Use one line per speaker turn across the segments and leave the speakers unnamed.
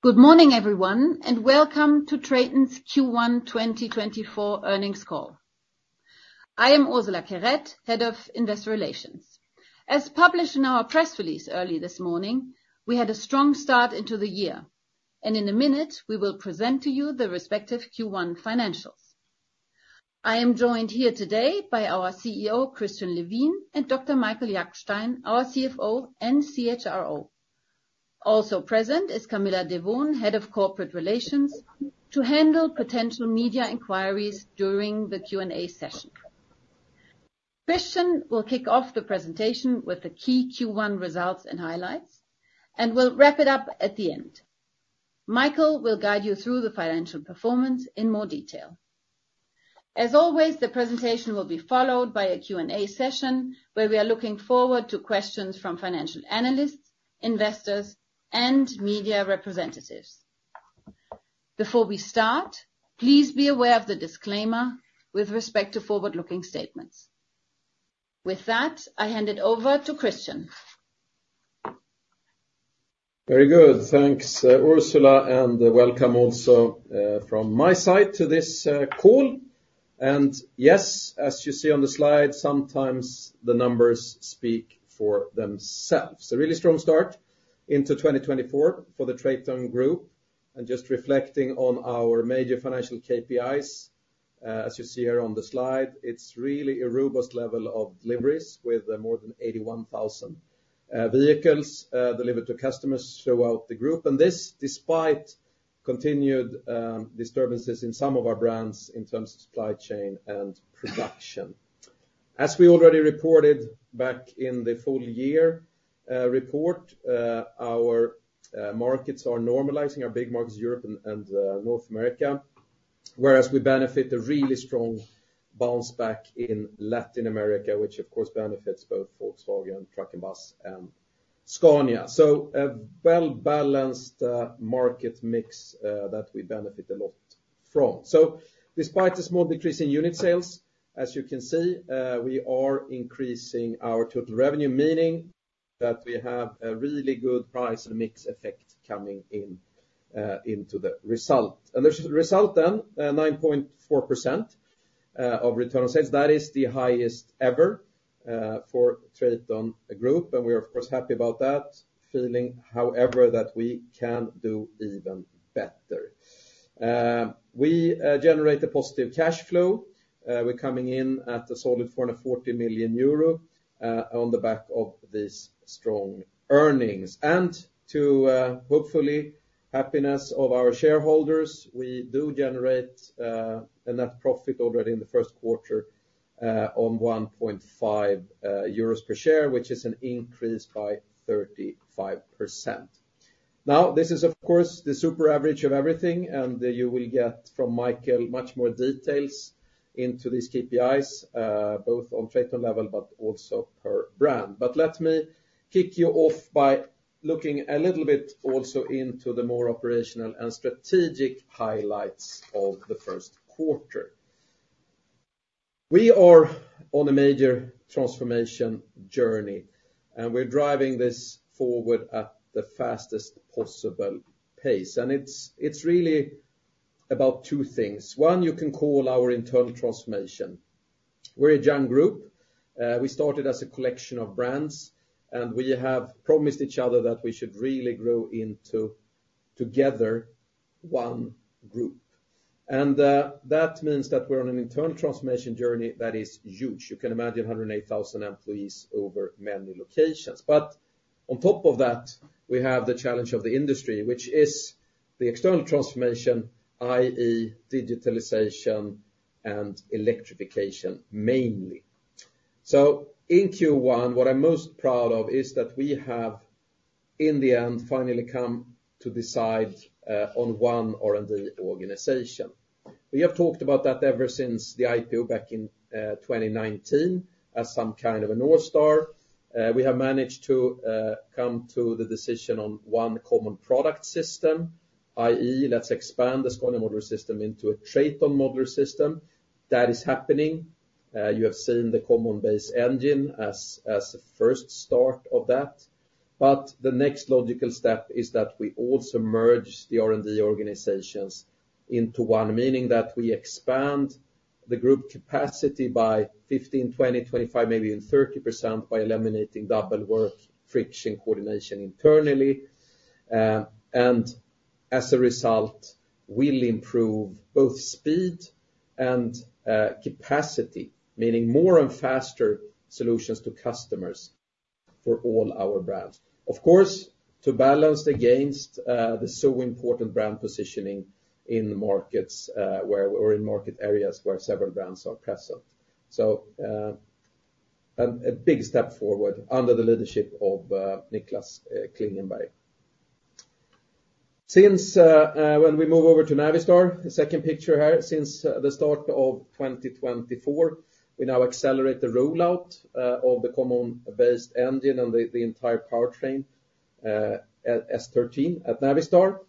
Good morning, everyone, and welcome to TRATON's Q1 2024 earnings call. I am Ursula Querette, head of Investor Relations. As published in our press release early this morning, we had a strong start into the year, and in a minute, we will present to you the respective Q1 financials. I am joined here today by our CEO, Christian Levin, and Dr. Michael Jackstein, our CFO and CHRO. Also present is Camilla Dewoon, head of Corporate Relations, to handle potential media inquiries during the Q&A session. Christian will kick off the presentation with the key Q1 results and highlights, and we'll wrap it up at the end. Michael will guide you through the financial performance in more detail. As always, the presentation will be followed by a Q&A session, where we are looking forward to questions from financial analysts, investors, and media representatives. Before we start, please be aware of the disclaimer with respect to forward-looking statements. With that, I hand it over to Christian.
Very good. Thanks, Ursula, and welcome also, from my side to this, call. Yes, as you see on the slide, sometimes the numbers speak for themselves. A really strong start into 2024 for the TRATON Group, and just reflecting on our major financial KPIs, as you see here on the slide, it's really a robust level of deliveries with more than 81,000 vehicles delivered to customers throughout the group. And this, despite continued disturbances in some of our brands in terms of supply chain and production. As we already reported back in the full year report, our markets are normalizing, our big markets, Europe and North America, whereas we benefit a really strong bounce back in Latin America, which, of course, benefits both Volkswagen Truck & Bus, and Scania. A well-balanced market mix that we benefit a lot from. Despite the small decrease in unit sales, as you can see, we are increasing our total revenue, meaning that we have a really good price and mix effect coming in into the result. This result, then, 9.4% of return on sales, that is the highest ever for TRATON Group, and we are, of course, happy about that. Feeling, however, that we can do even better. We generate a positive cash flow. We're coming in at a solid 440 million euro on the back of these strong earnings. And to, hopefully, happiness of our shareholders, we do generate a net profit already in the first quarter on 1.5 euros per share, which is an increase by 35%. Now, this is, of course, the super average of everything, and you will get from Michael much more details into these KPIs, both on TRATON level, but also per brand. But let me kick you off by looking a little bit also into the more operational and strategic highlights of the first quarter. We are on a major transformation journey, and we're driving this forward at the fastest possible pace. And it's really about two things. One, you can call our internal transformation. We're a young group. We started as a collection of brands, and we have promised each other that we should really grow into, together, one group. That means that we're on an internal transformation journey that is huge. You can imagine 108,000 employees over many locations. But on top of that, we have the challenge of the industry, which is the external transformation, i.e., digitalization and electrification, mainly. So in Q1, what I'm most proud of is that we have, in the end, finally come to decide on one R&D organization. We have talked about that ever since the IPO back in 2019 as some kind of a North Star. We have managed to come to the decision on one common product system, i.e., let's expand the Scania Modular System into a TRATON Modular System. That is happening. You have seen the Common Base Enginee as a first start of that. But the next logical step is that we also merge the R&D organizations into one, meaning that we expand the group capacity by 15, 20, 25, maybe even 30% by eliminating double work, friction, coordination internally. And as a result, we'll improve both speed and capacity, meaning more and faster solutions to customers for all our brands. Of course, to balance against the so important brand positioning in markets where, or in market areas where several brands are present. So, a big step forward under the leadership of Niklas Klingenberg. Since when we move over to Navistar, the second picture here, since the start of 2024, we now accelerate the rollout of the Common Base Engine and the entire powertrain as S13 at Navistar.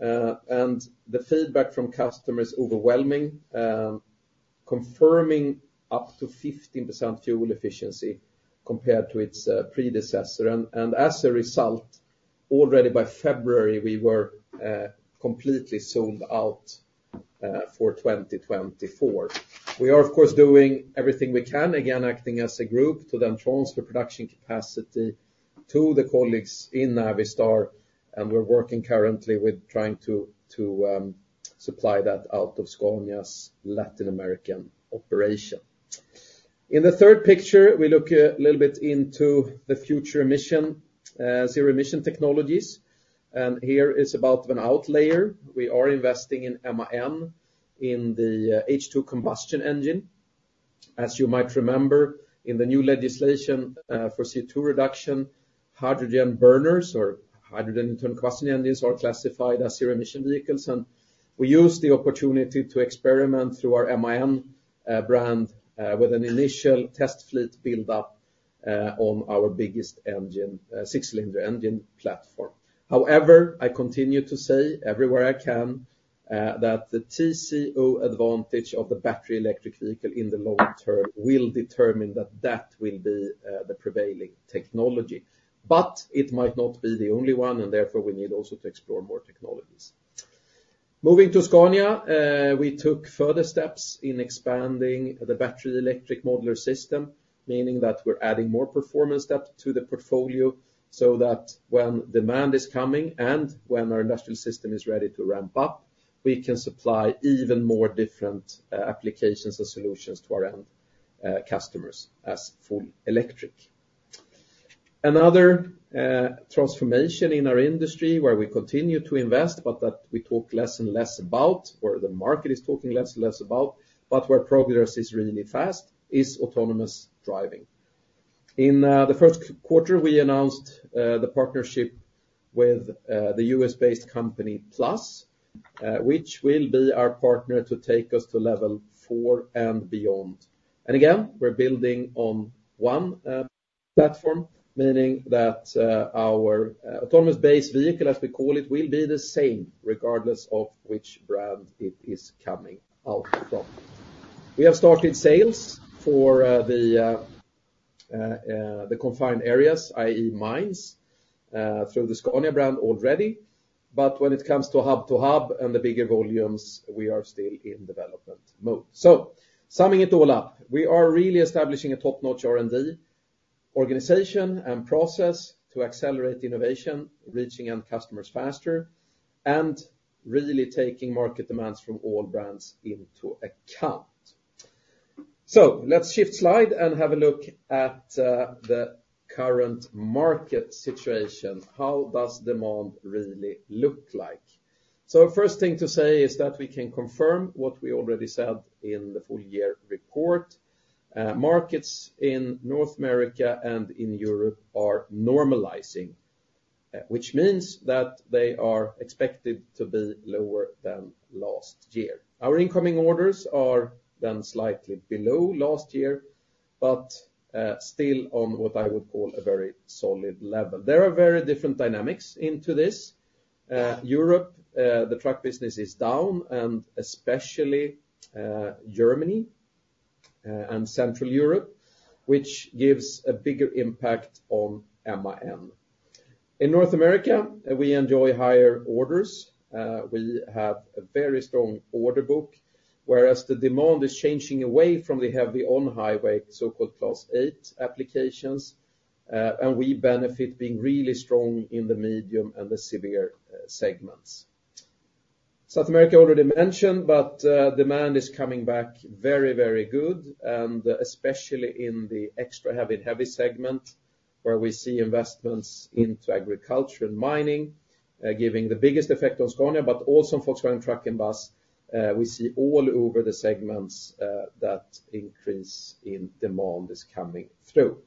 And the feedback from customers overwhelming... confirming up to 15% fuel efficiency compared to its predecessor. And as a result, already by February, we were completely sold out for 2024. We are, of course, doing everything we can, again, acting as a group, to then transfer production capacity to the colleagues in Navistar, and we're working currently with trying to supply that out of Scania's Latin American operation. In the third picture, we look a little bit into the future emission zero-emission technologies, and here is about an outlier. We are investing in MAN, in the H2 combustion engine. As you might remember, in the new legislation, for CO2 reduction, hydrogen burners or hydrogen combustion engines are classified as zero-emission vehicles, and we use the opportunity to experiment through our MAN brand, with an initial test fleet build-up, on our biggest engine, six-cylinder engine platform. However, I continue to say everywhere I can, that the TCO advantage of the battery electric vehicle in the long term will determine that that will be, the prevailing technology. But it might not be the only one, and therefore, we need also to explore more technologies. Moving to Scania, we took further steps in expanding the battery electric modular system, meaning that we're adding more performance depth to the portfolio so that when demand is coming and when our industrial system is ready to ramp up, we can supply even more different applications and solutions to our end customers as full electric. Another transformation in our industry where we continue to invest, but that we talk less and less about, or the market is talking less and less about, but where progress is really fast, is autonomous driving. In the first quarter, we announced the partnership with the U.S.-based company, Plus, which will be our partner to take us to Level 4 and beyond. And again, we're building on one platform, meaning that our autonomous base vehicle, as we call it, will be the same, regardless of which brand it is coming out from. We have started sales for the confined areas, i.e., mines, through the Scania brand already. But when it comes to hub-to-hub and the bigger volumes, we are still in development mode. So summing it all up, we are really establishing a top-notch R&D organization and process to accelerate innovation, reaching end customers faster, and really taking market demands from all brands into account. So let's shift slide and have a look at the current market situation. How does demand really look like? So first thing to say is that we can confirm what we already said in the full year report. Markets in North America and in Europe are normalizing, which means that they are expected to be lower than last year. Our incoming orders are then slightly below last year, but still on what I would call a very solid level. There are very different dynamics into this. Europe, the truck business is down, and especially Germany and Central Europe, which gives a bigger impact on MAN. In North America, we enjoy higher orders. We have a very strong order book, whereas the demand is changing away from the heavy on highway, so-called Class 8 applications, and we benefit being really strong in the medium and the severe segments. South America, already mentioned, but demand is coming back very, very good, and especially in the extra heavy, heavy segment, where we see investments into agriculture and mining, giving the biggest effect on Scania, but also on Volkswagen Truck & Bus. We see all over the segments that increase in demand is coming through.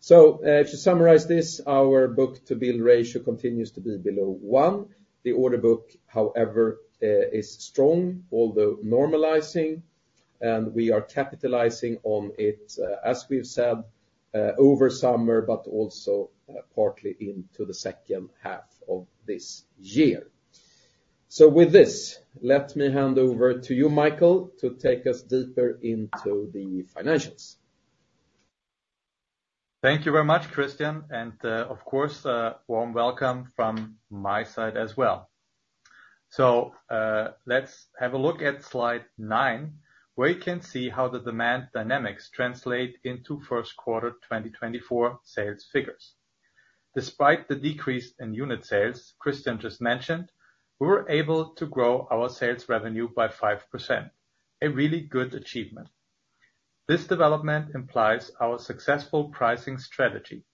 So, to summarize this, our book-to-bill ratio continues to be below one. The order book, however, is strong, although normalizing, and we are capitalizing on it, as we've said, over summer, but also, partly into the second half of this year. So with this, let me hand over to you, Michael, to take us deeper into the financials.
Thank you very much, Christian, and, of course, a warm welcome from my side as well. Let's have a look at slide 9, where you can see how the demand dynamics translate into first quarter 2024 sales figures. Despite the decrease in unit sales Christian just mentioned, we were able to grow our sales revenue by 5%, a really good achievement. This development implies our successful pricing strategy,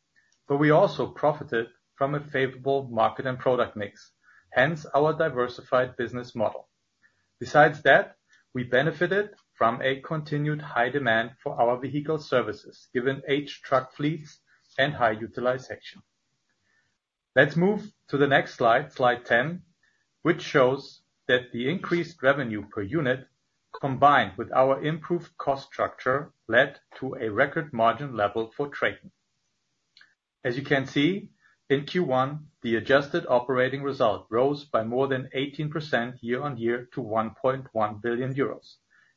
but we also profited from a favorable market and product mix, hence our diversified business model. Besides that, we benefited from a continued high demand for our vehicle services, given aged truck fleets and high utilization. Let's move to the next slide, slide 10, which shows that the increased revenue per unit, combined with our improved cost structure, led to a record margin level for TRATON. As you can see, in Q1, the adjusted operating result rose by more than 18% year-over-year to 1.1 billion euros,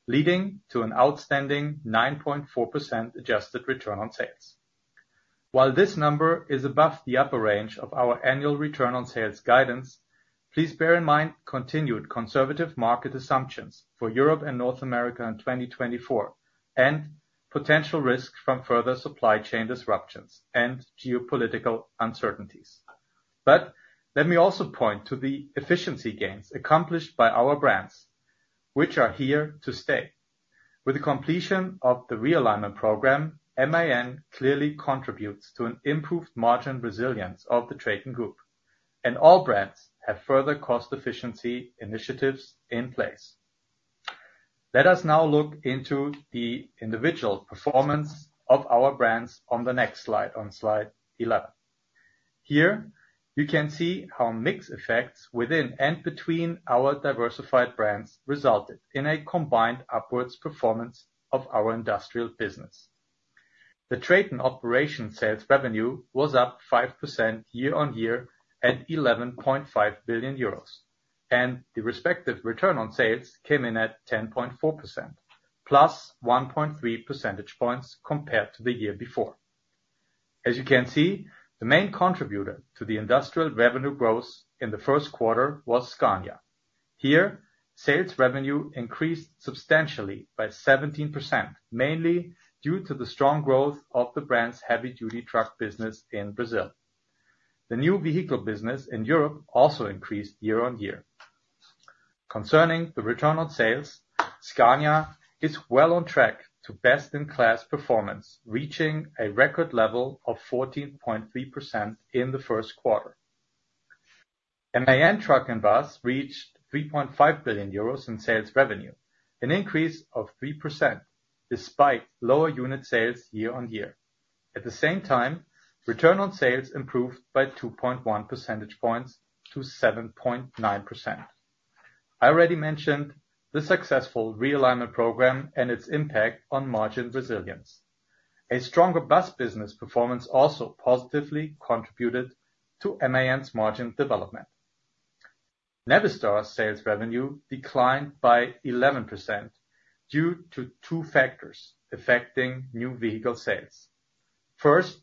leading to an outstanding 9.4% adjusted return on sales. While this number is above the upper range of our annual return on sales guidance, please bear in mind continued conservative market assumptions for Europe and North America in 2024, and potential risks from further supply chain disruptions and geopolitical uncertainties. But let me also point to the efficiency gains accomplished by our brands, which are here to stay. With the completion of the realignment program, MAN clearly contributes to an improved margin resilience of the TRATON Group, and all brands have further cost efficiency initiatives in place. Let us now look into the individual performance of our brands on the next slide, on slide 11. Here, you can see how mix effects within and between our diversified brands resulted in a combined upwards performance of our industrial business. The TRATON operational sales revenue was up 5% year-on-year at 11.5 billion euros, and the respective return on sales came in at 10.4%, plus 1.3 percentage points compared to the year before. As you can see, the main contributor to the industrial revenue growth in the first quarter was Scania. Here, sales revenue increased substantially by 17%, mainly due to the strong growth of the brand's heavy-duty truck business in Brazil. The new vehicle business in Europe also increased year-on-year. Concerning the return on sales, Scania is well on track to best-in-class performance, reaching a record level of 14.3% in the first quarter. MAN Truck & Bus reached 3.5 billion euros in sales revenue, an increase of 3% despite lower unit sales year-on-year. At the same time, return on sales improved by 2.1 percentage points to 7.9%. I already mentioned the successful realignment program and its impact on margin resilience. A stronger bus business performance also positively contributed to MAN's margin development. Navistar's sales revenue declined by 11% due to two factors affecting new vehicle sales. First,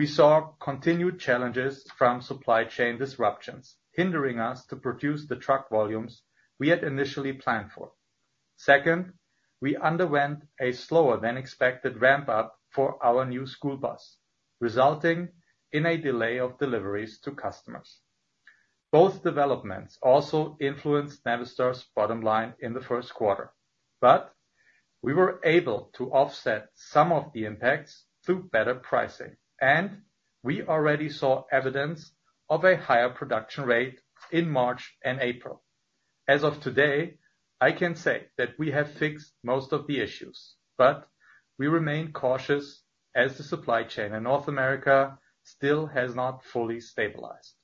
we saw continued challenges from supply chain disruptions, hindering us to produce the truck volumes we had initially planned for. Second, we underwent a slower than expected ramp-up for our new school bus, resulting in a delay of deliveries to customers. Both developments also influenced Navistar's bottom line in the first quarter, but we were able to offset some of the impacts through better pricing, and we already saw evidence of a higher production rate in March and April. As of today, I can say that we have fixed most of the issues, but we remain cautious as the supply chain in North America still has not fully stabilized.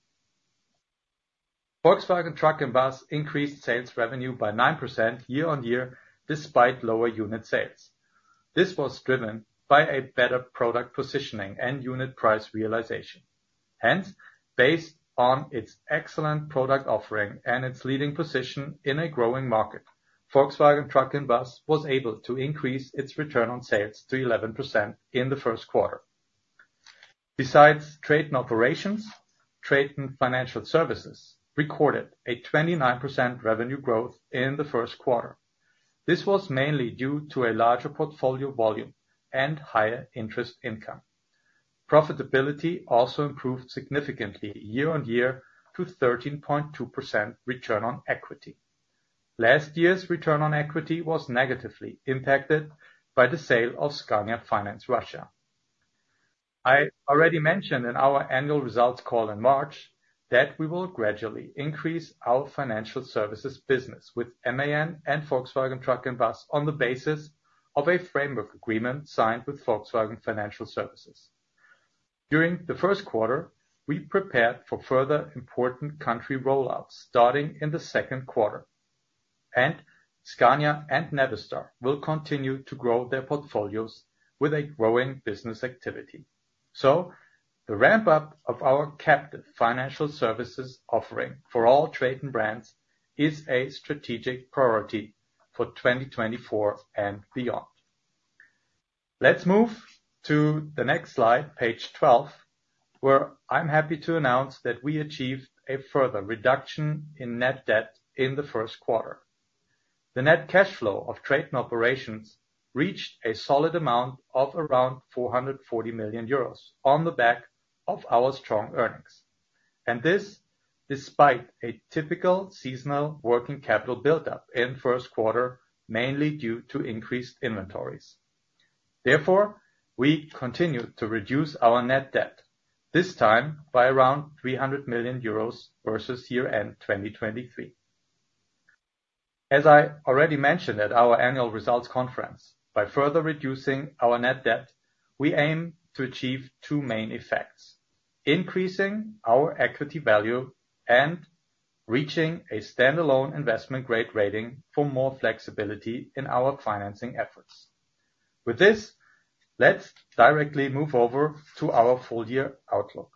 Volkswagen Truck & Bus increased sales revenue by 9% year-over-year, despite lower unit sales. This was driven by a better product positioning and unit price realization. Hence, based on its excellent product offering and its leading position in a growing market, Volkswagen Truck & Bus was able to increase its return on sales to 11% in the first quarter. Besides TRATON Operations, TRATON Financial Services recorded a 29% revenue growth in the first quarter. This was mainly due to a larger portfolio volume and higher interest income. Profitability also improved significantly year-over-year to 13.2% return on equity. Last year's return on equity was negatively impacted by the sale of Scania Finance Russia. I already mentioned in our annual results call in March, that we will gradually increase our financial services business with MAN and Volkswagen Truck & Bus on the basis of a framework agreement signed with Volkswagen Financial Services. During the first quarter, we prepared for further important country rollouts, starting in the second quarter, and Scania and Navistar will continue to grow their portfolios with a growing business activity. So the ramp-up of our captive financial services offering for all TRATON brands is a strategic priority for 2024 and beyond. Let's move to the next slide, page 12, where I'm happy to announce that we achieved a further reduction in net debt in the first quarter. The net cash flow of TRATON Operations reached a solid amount of around 440 million euros on the back of our strong earnings, and this despite a typical seasonal working capital buildup in first quarter, mainly due to increased inventories. Therefore, we continued to reduce our net debt, this time by around 300 million euros versus year-end 2023. As I already mentioned at our annual results conference, by further reducing our net debt, we aim to achieve two main effects: increasing our equity value and reaching a standalone investment grade rating for more flexibility in our financing efforts. With this, let's directly move over to our full year outlook.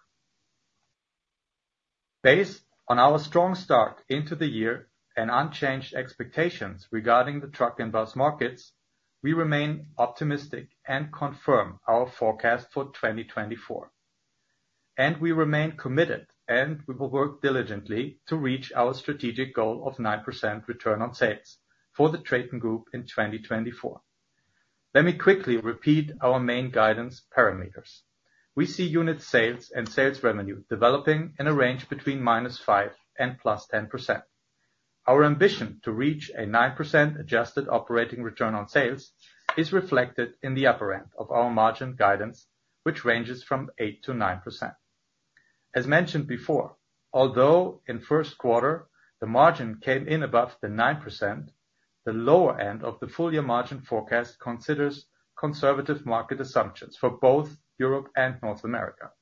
Based on our strong start into the year and unchanged expectations regarding the truck and bus markets, we remain optimistic and confirm our forecast for 2024. We remain committed, and we will work diligently to reach our strategic goal of 9% return on sales for the TRATON Group in 2024. Let me quickly repeat our main guidance parameters. We see unit sales and sales revenue developing in a range between -5% and +10%. Our ambition to reach a 9% adjusted operating return on sales is reflected in the upper end of our margin guidance, which ranges from 8%-9%. As mentioned before, although in first quarter, the margin came in above the 9%, the lower end of the full year margin forecast considers conservative market assumptions for both Europe and North America.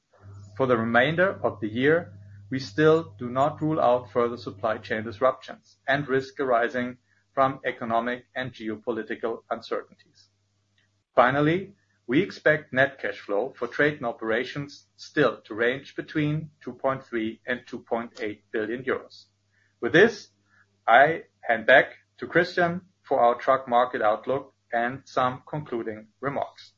For the remainder of the year, we still do not rule out further supply chain disruptions and risk arising from economic and geopolitical uncertainties. Finally, we expect net cash flow for TRATON Operations still to range between 2.3 billion-2.8 billion euros. With this, I hand back to Christian for our truck market outlook and some concluding remarks.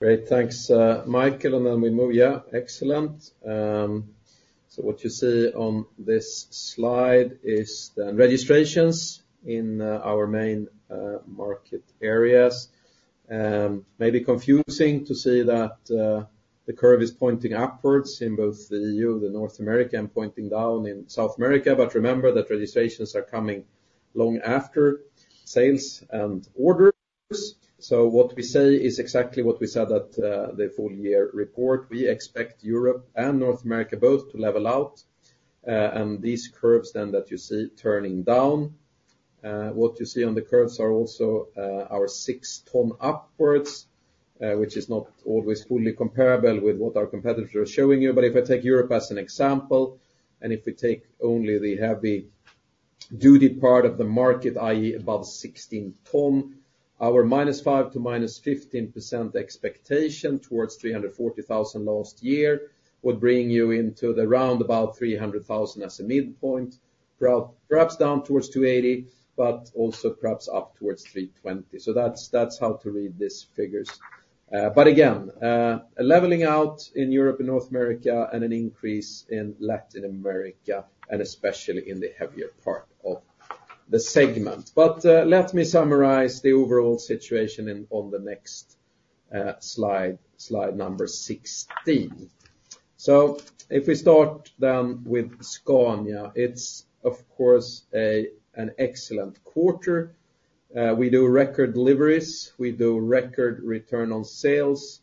Great. Thanks, Michael, and then we move, yeah. Excellent. So what you see on this slide is the registrations in our main market areas. Maybe confusing to see that the curve is pointing upwards in both the EU and North America and pointing down in South America, but remember that registrations are coming long after sales and orders. So what we say is exactly what we said at the full year report. We expect Europe and North America both to level out, and these curves then that you see turning down. What you see on the curves are also our 6 ton upwards, which is not always fully comparable with what our competitors are showing you. But if I take Europe as an example, and if we take only the heavy-duty part of the market, i.e., above 16-ton, our -5% to -15% expectation toward 340,000 last year, would bring you into around 300,000 as a midpoint, perhaps down toward 280, but also perhaps up toward 320. So that's, that's how to read these figures. But again, a leveling out in Europe and North America and an increase in Latin America, and especially in the heavier part of the segment. But, let me summarize the overall situation in, on the next, slide, slide number 16. So if we start then with Scania, it's of course, a, an excellent quarter. We do record deliveries, we do record return on sales,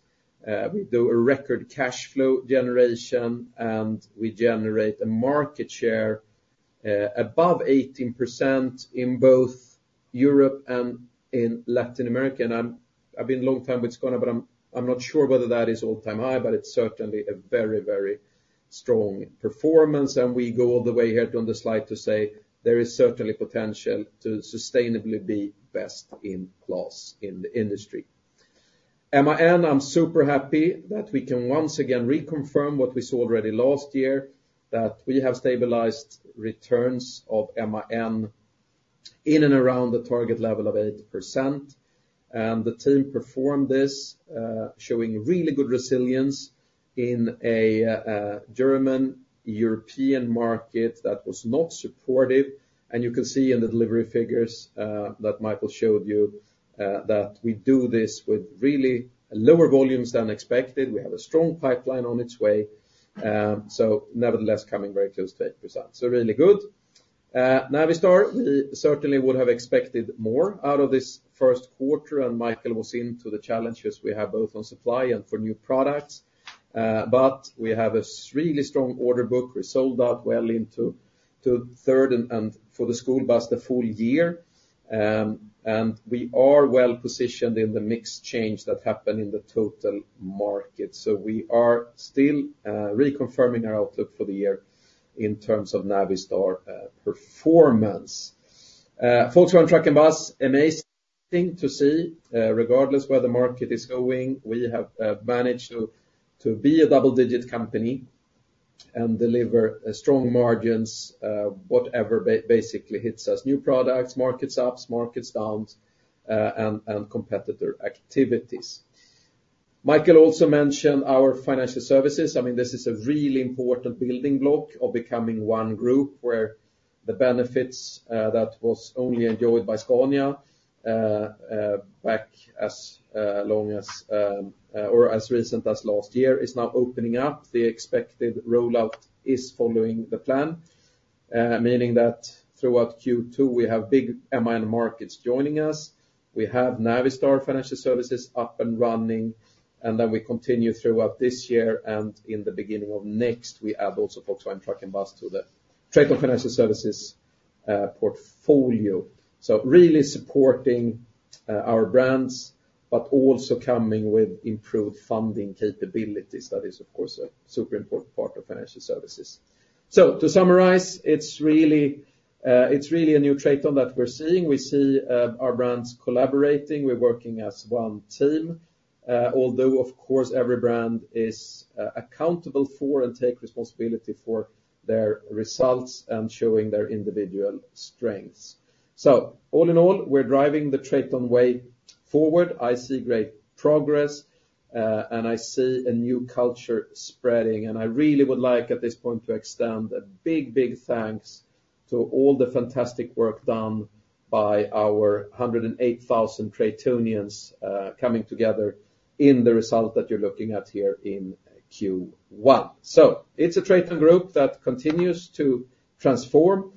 we do a record cash flow generation, and we generate a market share above 18% in both Europe and in Latin America. I've been a long time with Scania, but I'm not sure whether that is all-time high, but it's certainly a very, very strong performance. We go all the way here on the slide to say there is certainly potential to sustainably be best in class in the industry. MAN, I'm Super happy that we can once again reconfirm what we saw already last year, that we have stabilized returns of MAN in and around the target level of 8%. The team performed this, showing really good resilience in a German European market that was not supportive. You can see in the delivery figures that Michael showed you that we do this with really lower volumes than expected. We have a strong pipeline on its way, so nevertheless, coming very close to 8%. So really good. Navistar, we certainly would have expected more out of this first quarter, and Michael was into the challenges we have both on supply and for new products. But we have a really strong order book. We're sold out well into third and for the school bus, the full year. And we are well positioned in the mix change that happened in the total market. So we are still reconfirming our outlook for the year in terms of Navistar performance. Volkswagen Truck & Bus, amazing to see, regardless where the market is going, we have managed to be a double-digit company and deliver strong margins, whatever basically hits us, new products, markets ups, markets downs, and competitor activities. Michael also mentioned our financial services. I mean, this is a really important building block of becoming one group where the benefits that was only enjoyed by Scania back as long as, or as recent as last year, is now opening up. The expected rollout is following the plan, meaning that throughout Q2, we have big MAN markets joining us. We have Navistar Financial Services up and running, and then we continue throughout this year, and in the beginning of next, we add also Volkswagen Truck & Bus to the TRATON Financial Services portfolio. So really supporting our brands, but also coming with improved funding capabilities. That is, of course, a Super important part of financial services. So to summarize, it's really, it's really a new TRATON that we're seeing. We see our brands collaborating. We're working as one team, although, of course, every brand is accountable for and take responsibility for their results and showing their individual strengths. So all in all, we're driving the TRATON way forward. I see great progress, and I see a new culture spreading. And I really would like, at this point, to extend a big, big thanks to all the fantastic work done by our 108,000 TRATONians, coming together in the result that you're looking at here in Q1. So it's a TRATON Group that continues to transform,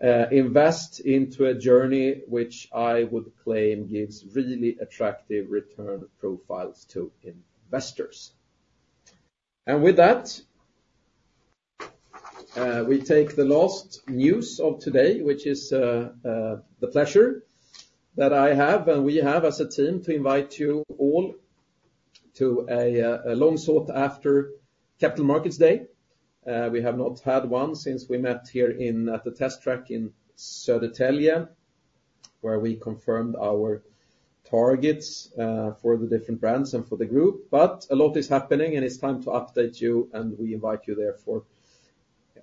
invest into a journey which I would claim gives really attractive return profiles to investors. And with that, we take the last news of today, which is, the pleasure that I have, and we have as a team, to invite you all to a, a long-sought after Capital Markets Day. We have not had one since we met here at the test track in Södertälje, where we confirmed our targets, for the different brands and for the group. But a lot is happening, and it's time to update you, and we invite you therefore,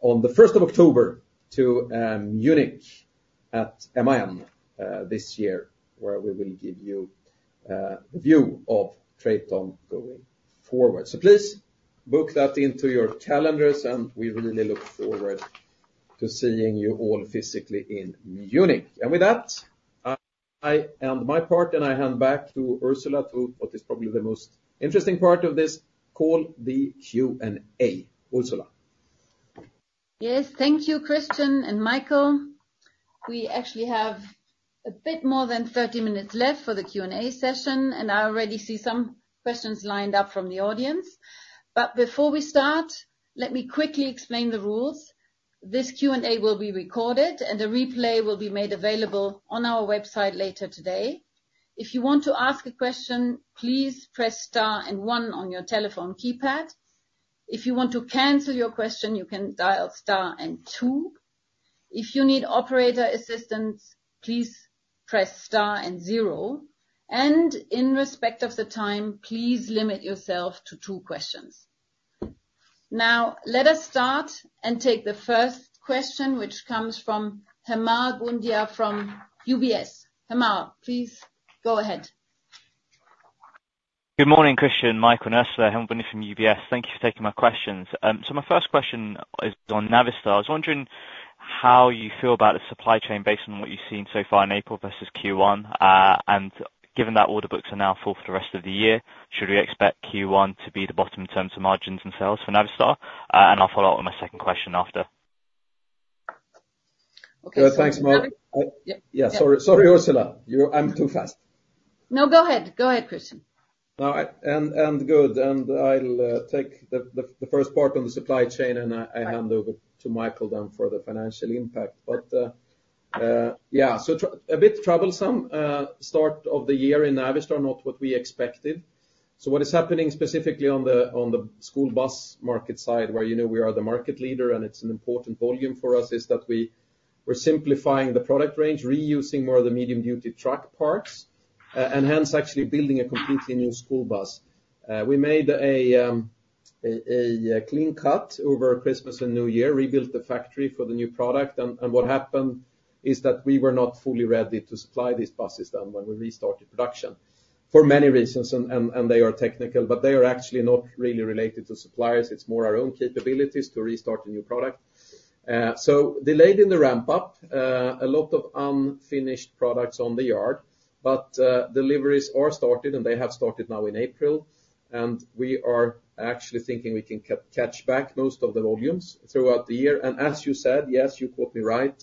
on the first of October, to, Munich at MAN, this year, where we will give you, a view of TRATON going forward. Please book that into your calendars, and we really look forward to seeing you all physically in Munich. With that, I end my part, and I hand back to Ursula, to what is probably the most interesting part of this call, the Q&A. Ursula?
Yes, thank you, Christian and Michael. We actually have a bit more than 30 minutes left for the Q&A session, and I already see some questions lined up from the audience. But before we start, let me quickly explain the rules. This Q&A will be recorded, and the replay will be made available on our website later today. If you want to ask a question, please press star and one on your telephone keypad. If you want to cancel your question, you can dial star and two. If you need operator assistance, please press star and zero, and in respect of the time, please limit yourself to 2 questions. Now, let us start and take the first question, which comes from Hemal Bhundia from UBS. Hemal, please go ahead.
Good morning, Christian, Michael, and Ursula. Hemal Bhundia from UBS. Thank you for taking my questions. My first question is on Navistar. I was wondering how you feel about the supply chain based on what you've seen so far in April versus Q1, and given that order books are now full for the rest of the year, should we expect Q1 to be the bottom in terms of margins and sales for Navistar? I'll follow up on my second question after.
Okay, thanks, Hemal.
Yeah.
Yeah, sorry, sorry, Ursula, you- I'm too fast.
No, go ahead. Go ahead, Christian.
All right, I'll take the first part on the supply chain, and I hand over to Michael then for the financial impact. But yeah, a bit troublesome start of the year in Navistar, not what we expected. So what is happening specifically on the school bus market side, where you know we are the market leader and it's an important volume for us, is that we're simplifying the product range, reusing more of the medium-duty truck parts, and hence actually building a completely new school bus. We made a clean cut over Christmas and New Year, rebuilt the factory for the new product. What happened is that we were not fully ready to supply these buses then when we restarted production for many reasons, and they are technical, but they are actually not really related to suppliers. It's more our own capabilities to restart the new product. So delayed in the ramp up, a lot of unfinished products on the yard, but deliveries are started, and they have started now in April, and we are actually thinking we can catch back most of the volumes throughout the year. And as you said, yes, you caught me right,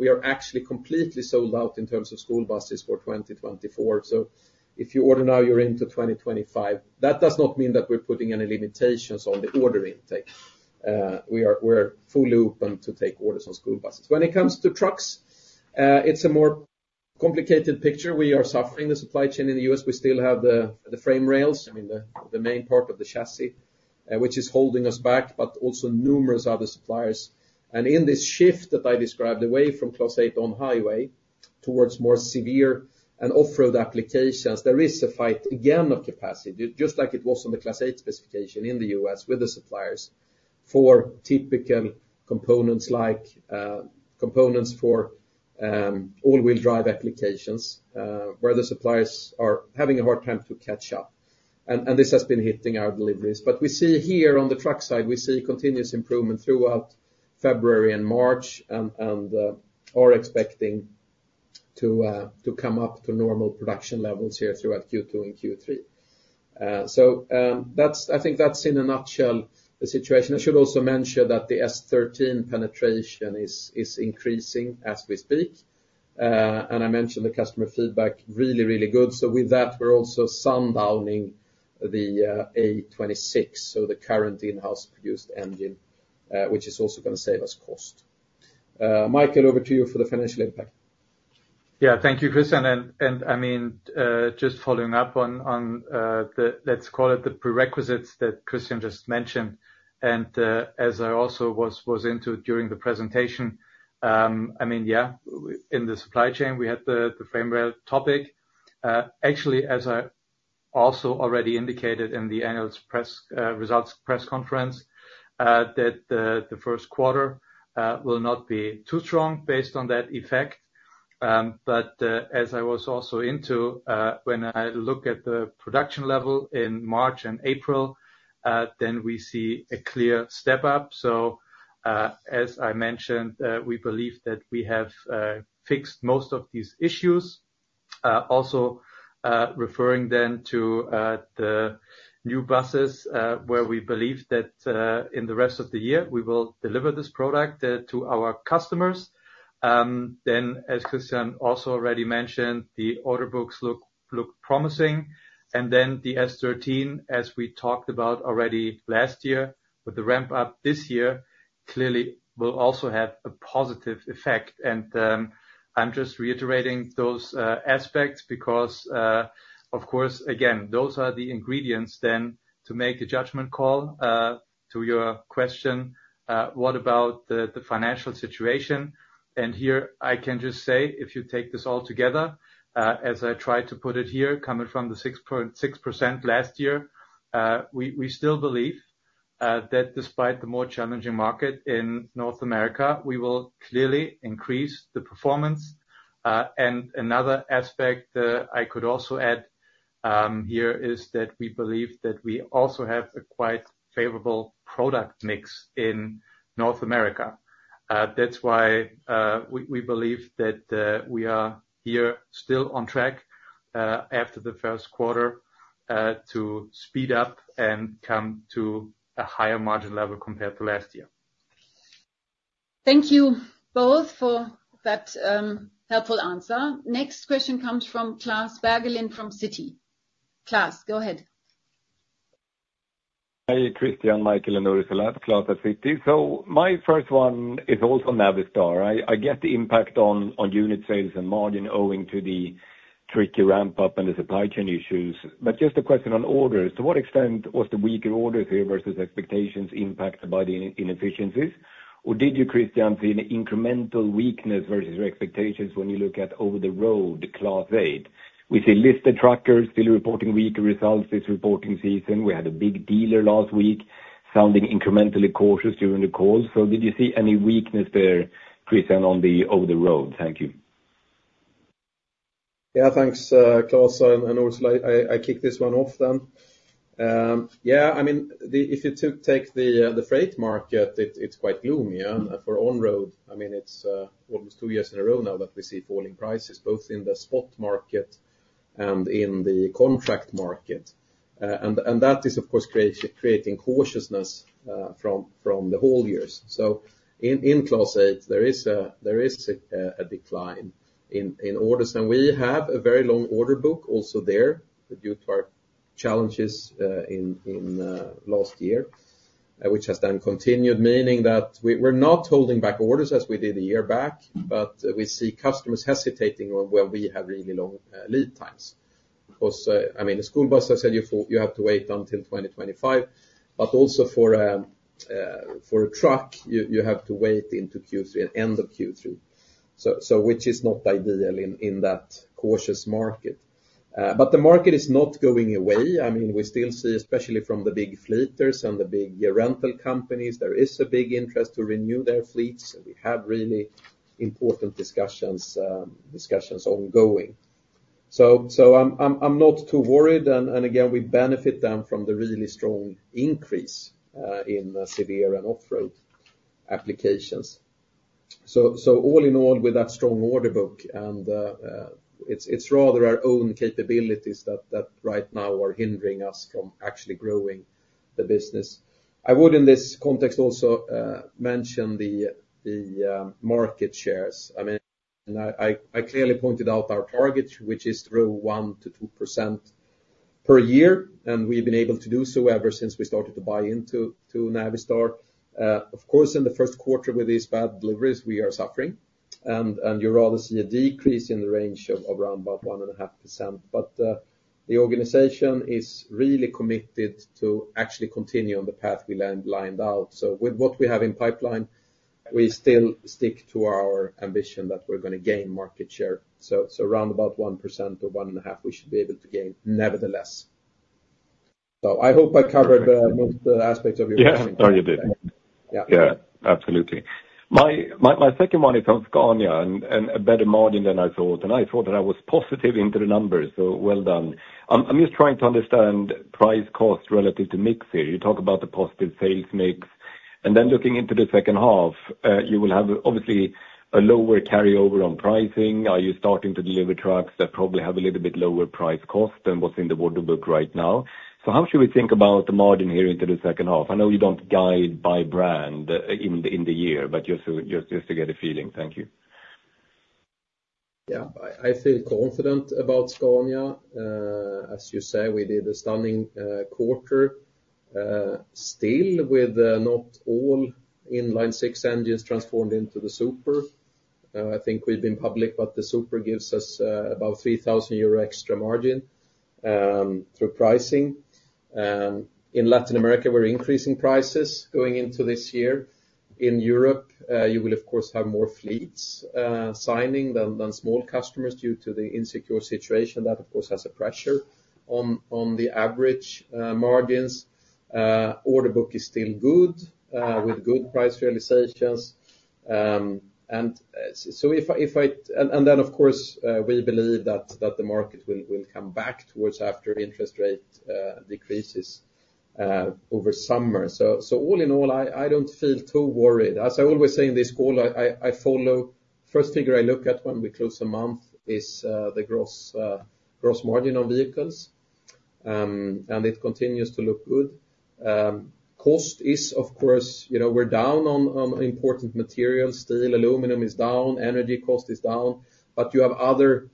we are actually completely sold out in terms of school buses for 2024. So if you order now, you're into 2025. That does not mean that we're putting any limitations on the order intake. We are, we're fully open to take orders on school buses. When it comes to trucks, it's a more complicated picture. We are suffering the supply chain in the U.S. We still have the frame rails, I mean, the main part of the chassis, which is holding us back, but also numerous other suppliers. And in this shift that I described, away from Class 8 on highway towards more severe and off-road applications, there is a fight, again, of capacity, just like it was on the Class 8 specification in the U.S. with the suppliers, for typical components like components for all-wheel drive applications, where the suppliers are having a hard time to catch up. And this has been hitting our deliveries. But we see here on the truck side, we see continuous improvement throughout February and March, and are expecting to come up to normal production levels here throughout Q2 and Q3. So, that's, I think that's in a nutshell, the situation. I should also mention that the S13 penetration is increasing as we speak.... and I mentioned the customer feedback, really, really good. So with that, we're also sundowning the A26, so the current in-house produced engine, which is also gonna save us cost. Michael, over to you for the financial impact.
Yeah. Thank you, Christian. I mean, just following up on the prerequisites that Christian just mentioned, and as I also was into during the presentation, I mean, yeah, in the supply chain, we had the frame rail topic. Actually, as I also already indicated in the annual press results press conference, that the first quarter will not be too strong based on that effect. But as I was also into, when I look at the production level in March and April, then we see a clear step up. So, as I mentioned, we believe that we have fixed most of these issues. Also, referring then to the new buses, where we believe that in the rest of the year, we will deliver this product to our customers. Then, as Christian also already mentioned, the order books look promising. And then the S13, as we talked about already last year, with the ramp up this year, clearly will also have a positive effect. And I'm just reiterating those aspects because, of course, again, those are the ingredients then to make a judgment call to your question, what about the financial situation? And here, I can just say, if you take this all together, as I tried to put it here, coming from the 6.6% last year, we still believe that despite the more challenging market in North America, we will clearly increase the performance. And another aspect I could also add here is that we believe that we also have a quite favorable product mix in North America. That's why we believe that we are here still on track after the first quarter to speed up and come to a higher margin level compared to last year.
Thank you both for that, helpful answer. Next question comes from Klas Bergelind from Citi. Klas, go ahead.
Hi, Christian, Michael, and Ursula. Klas at Citi. So my first one is also Navistar. I get the impact on unit sales and margin owing to the tricky ramp up and the supply chain issues, but just a question on orders. To what extent was the weaker order here versus expectations impacted by the inefficiencies? Or did you, Christian, see an incremental weakness versus your expectations when you look at over-the-road Class 8? We see listed truckers still reporting weaker results this reporting season. We had a big dealer last week, sounding incrementally cautious during the call. So did you see any weakness there, Christian, on the over-the-road? Thank you.
Yeah, thanks, Klas. And Ursula, I kick this one off then. Yeah, I mean, if you take the freight market, it's quite gloomy, yeah. For on-road, I mean, it's almost two years in a row now that we see falling prices, both in the spot market and in the contract market. And that is, of course, creating cautiousness from the whole years. So in Class 8, there is a decline in orders. And we have a very long order book also there, due to our challenges in last year, which has then continued, meaning that we're not holding back orders as we did a year back, but we see customers hesitating on where we have really long lead times. Of course, I mean, the school bus, I said, you have to wait until 2025, but also for a truck, you have to wait into Q3, end of Q3. So which is not ideal in that cautious market. But the market is not going away. I mean, we still see, especially from the big fleeters and the big rental companies, there is a big interest to renew their fleets. We have really important discussions, discussions ongoing. So I'm not too worried, and again, we benefit then from the really strong increase in severe and off-road applications. So all in all, with that strong order book and, it's rather our own capabilities that right now are hindering us from actually growing the business. I would, in this context, also, mention the market shares. I mean, and I clearly pointed out our target, which is 1%-2% per year, and we've been able to do so ever since we started to buy into Navistar. Of course, in the first quarter, with these bad deliveries, we are suffering, and you rather see a decrease in the range of around about 1.5%. But the organization is really committed to actually continue on the path we lined out. So with what we have in pipeline, we still stick to our ambition that we're gonna gain market share. So around about 1% or 1.5%, we should be able to gain nevertheless. So I hope I covered most of the aspects of your question.
Yes, oh, you did.
Yeah.
Yeah, absolutely. My second one is on Scania and a better margin than I thought, and I thought that I was positive into the numbers, so well done. I'm just trying to understand price cost relative to mix here. You talk about the positive sales mix, and then looking into the second half, you will have obviously a lower carryover on pricing. Are you starting to deliver trucks that probably have a little bit lower price cost than what's in the order book right now? So how should we think about the margin here into the second half? I know you don't guide by brand in the year, but just to get a feeling. Thank you....
Yeah, I, I feel confident about Scania. As you say, we did a stunning quarter, still with not all inline six engines transformed into the Super. I think we've been public, but the Super gives us about 3,000 euro extra margin through pricing. In Latin America, we're increasing prices going into this year. In Europe, you will, of course, have more fleets signing than, than small customers due to the insecure situation. That, of course, has a pressure on, on the average margins. Order book is still good with good price realizations. And so if I, if I-- and, and then, of course, we believe that, that the market will, will come back towards after interest rate decreases over summer. So all in all, I don't feel too worried. As I always say in this call, I follow the first figure I look at when we close a month, the gross margin on vehicles. And it continues to look good. Cost is, of course, you know, we're down on important materials. Steel, aluminum is down, energy cost is down, but you have other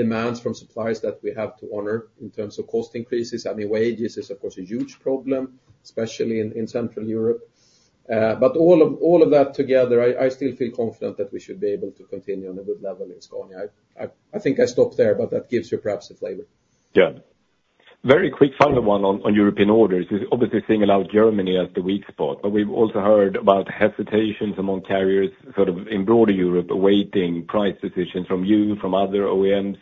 demands from suppliers that we have to honor in terms of cost increases. I mean, wages is, of course, a huge problem, especially in Central Europe. But all of that together, I still feel confident that we should be able to continue on a good level in Scania. I think I stop there, but that gives you perhaps a flavor.
Yeah. Very quick final one on, on European orders. Obviously, singling out Germany as the weak spot, but we've also heard about hesitations among carriers, sort of in broader Europe, awaiting price decisions from you, from other OEMs.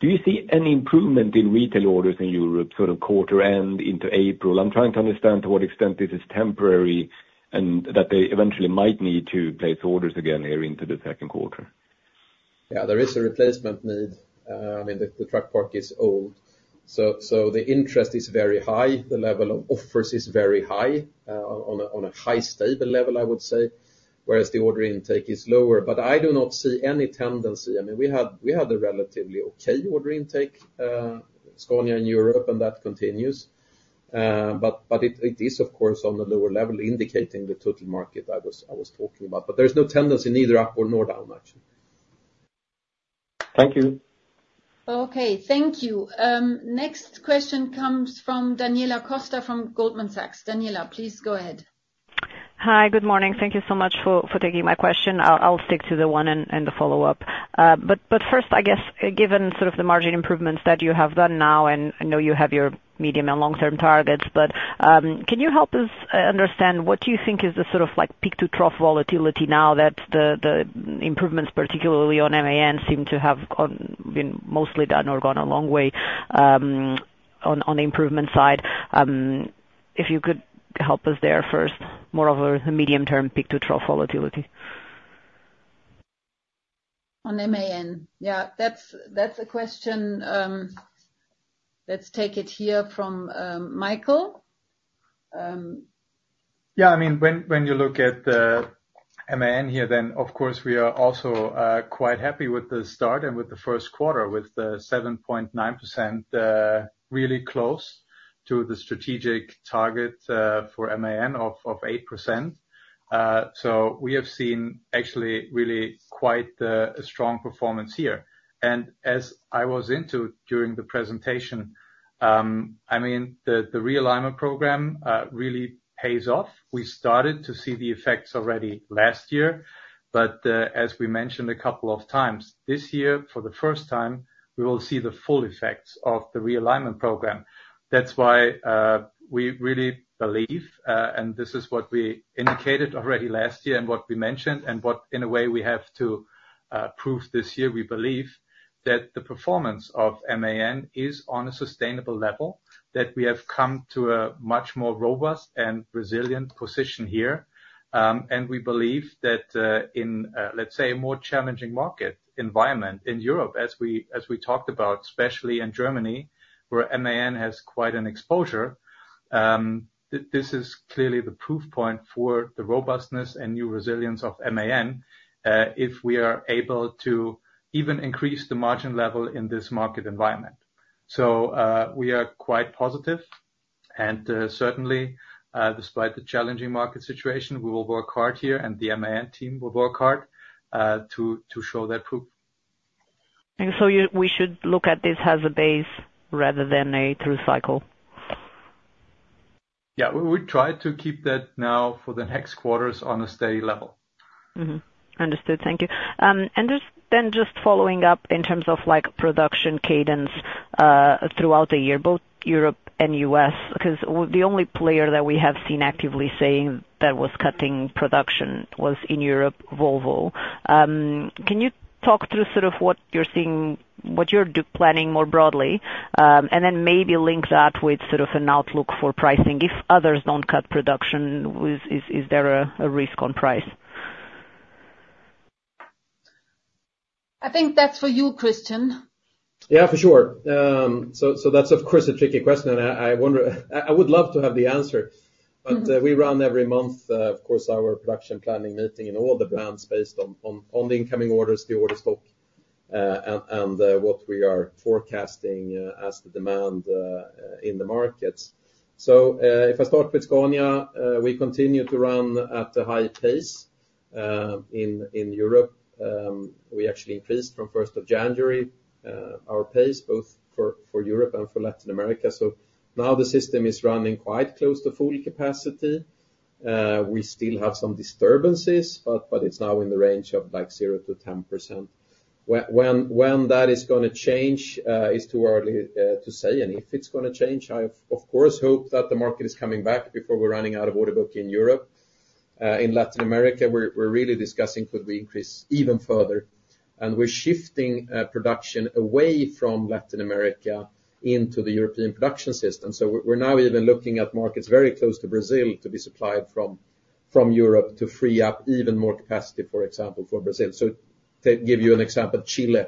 Do you see any improvement in retail orders in Europe, sort of quarter end into April? I'm trying to understand to what extent this is temporary, and that they eventually might need to place orders again here into the second quarter.
Yeah, there is a replacement need. I mean, the truck park is old, so the interest is very high. The level of offers is very high on a high, stable level, I would say, whereas the order intake is lower. But I do not see any tendency. I mean, we had a relatively okay order intake, Scania in Europe, and that continues. But it is, of course, on a lower level, indicating the total market I was talking about. But there's no tendency, neither up or nor down actually.
Thank you.
Okay, thank you. Next question comes from Daniela Costa from Goldman Sachs. Daniela, please go ahead.
Hi, good morning. Thank you so much for taking my question. I'll stick to the one and the follow-up. But first, I guess, given sort of the margin improvements that you have done now, and I know you have your medium and long-term targets, but can you help us understand what you think is the sort of like peak-to-trough volatility now that the improvements, particularly on MAN, seem to have been mostly done or gone a long way, on the improvement side? If you could help us there first, more of a medium-term peak-to-trough volatility.
On MAN. Yeah, that's, that's a question, let's take it here from, Michael.
Yeah, I mean, when you look at MAN here, then, of course, we are also quite happy with the start and with the first quarter, with the 7.9%, really close to the strategic target for MAN of 8%. So we have seen actually really quite a strong performance here. And as I was into during the presentation, I mean, the realignment program really pays off. We started to see the effects already last year, but as we mentioned a couple of times, this year, for the first time, we will see the full effects of the realignment program. That's why, we really believe, and this is what we indicated already last year and what we mentioned, and what, in a way, we have to, prove this year, we believe that the performance of MAN is on a sustainable level, that we have come to a much more robust and resilient position here. And we believe that, in, let's say, a more challenging market environment in Europe, as we, as we talked about, especially in Germany, where MAN has quite an exposure, this is clearly the proof point for the robustness and new resilience of MAN, if we are able to even increase the margin level in this market environment. We are quite positive, and certainly, despite the challenging market situation, we will work hard here, and the MAN team will work hard to show that proof.
And so you... We should look at this as a base rather than a through cycle?
Yeah, we try to keep that now for the next quarters on a steady level.
Understood. Thank you. And just following up in terms of, like, production cadence throughout the year, both Europe and U.S., because the only player that we have seen actively saying that was cutting production was, in Europe, Volvo. Can you talk through sort of what you're seeing, what you're planning more broadly? And then maybe link that with sort of an outlook for pricing. If others don't cut production, is there a risk on price?
I think that's for you, Christian.
Yeah, for sure. So that's, of course, a tricky question, and I wonder... I would love to have the answer. We run every month, of course, our production planning meeting and all the plans based on the incoming orders, the order book, and what we are forecasting as the demand in the markets. So, if I start with Scania, we continue to run at a high pace in Europe. We actually increased from first of January our pace, both for Europe and for Latin America. So now the system is running quite close to full capacity. We still have some disturbances, but it's now in the range of, like, 0%-10%. When that is gonna change is too early to say, and if it's gonna change. Of course, I hope that the market is coming back before we're running out of order book in Europe. In Latin America, we're really discussing could we increase even further? And we're shifting production away from Latin America into the European production system. So we're now even looking at markets very close to Brazil to be supplied from Europe to free up even more capacity, for example, for Brazil. So to give you an example, Chile,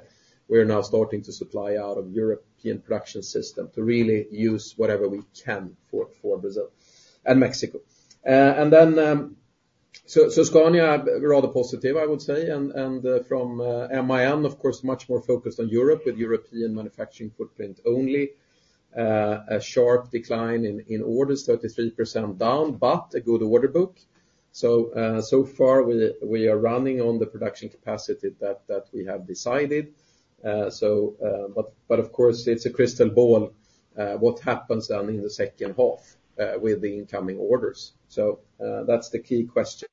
we're now starting to supply out of European production system to really use whatever we can for Brazil and Mexico. And then Scania are rather positive, I would say, and from MAN, of course, much more focused on Europe, with European manufacturing footprint only. A sharp decline in orders, 33% down, but a good order book. So far, we are running on the production capacity that we have decided. But of course, it's a crystal ball, what happens then in the second half with the incoming orders. So, that's the key question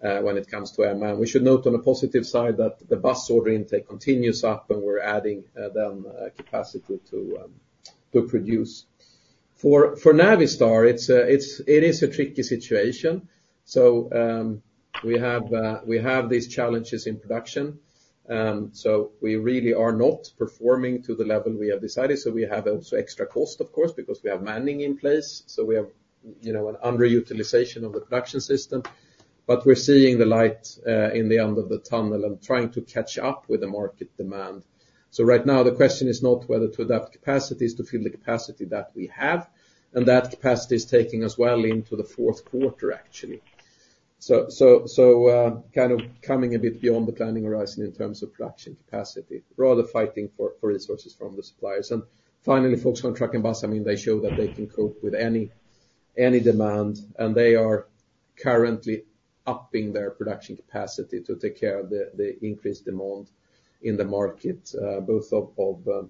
when it comes to MAN. We should note on a positive side that the bus order intake continues up, and we're adding then capacity to produce. For Navistar, it's a tricky situation. So, we have these challenges in production, so we really are not performing to the level we have decided, so we have also extra cost, of course, because we have manning in place. So we have, you know, an underutilization of the production system, but we're seeing the light in the end of the tunnel and trying to catch up with the market demand. So right now, the question is not whether to adapt capacities, to fill the capacity that we have, and that capacity is taking us well into the fourth quarter, actually. So kind of coming a bit beyond the planning horizon in terms of production capacity, rather fighting for resources from the suppliers. And finally, Volkswagen Truck & Bus, I mean, they show that they can cope with any demand, and they are currently upping their production capacity to take care of the increased demand in the market, both of the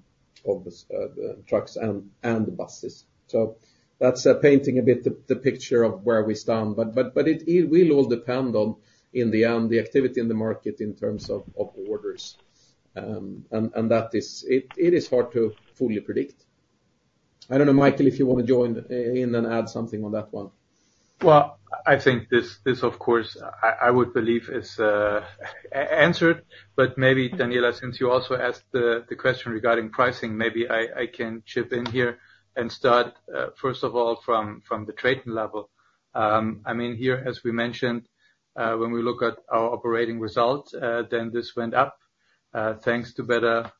trucks and buses. So that's painting a bit the picture of where we stand, but it will all depend on, in the end, the activity in the market in terms of orders. And that is... It is hard to fully predict. I don't know, Michael, if you want to join in and add something on that one.
Well, I think this, of course, I would believe, is answered, but maybe, Daniela, since you also asked the question regarding pricing, maybe I can chip in here and start first of all, from the TRATON level. I mean, here, as we mentioned, when we look at our operating results, then this went up thanks to better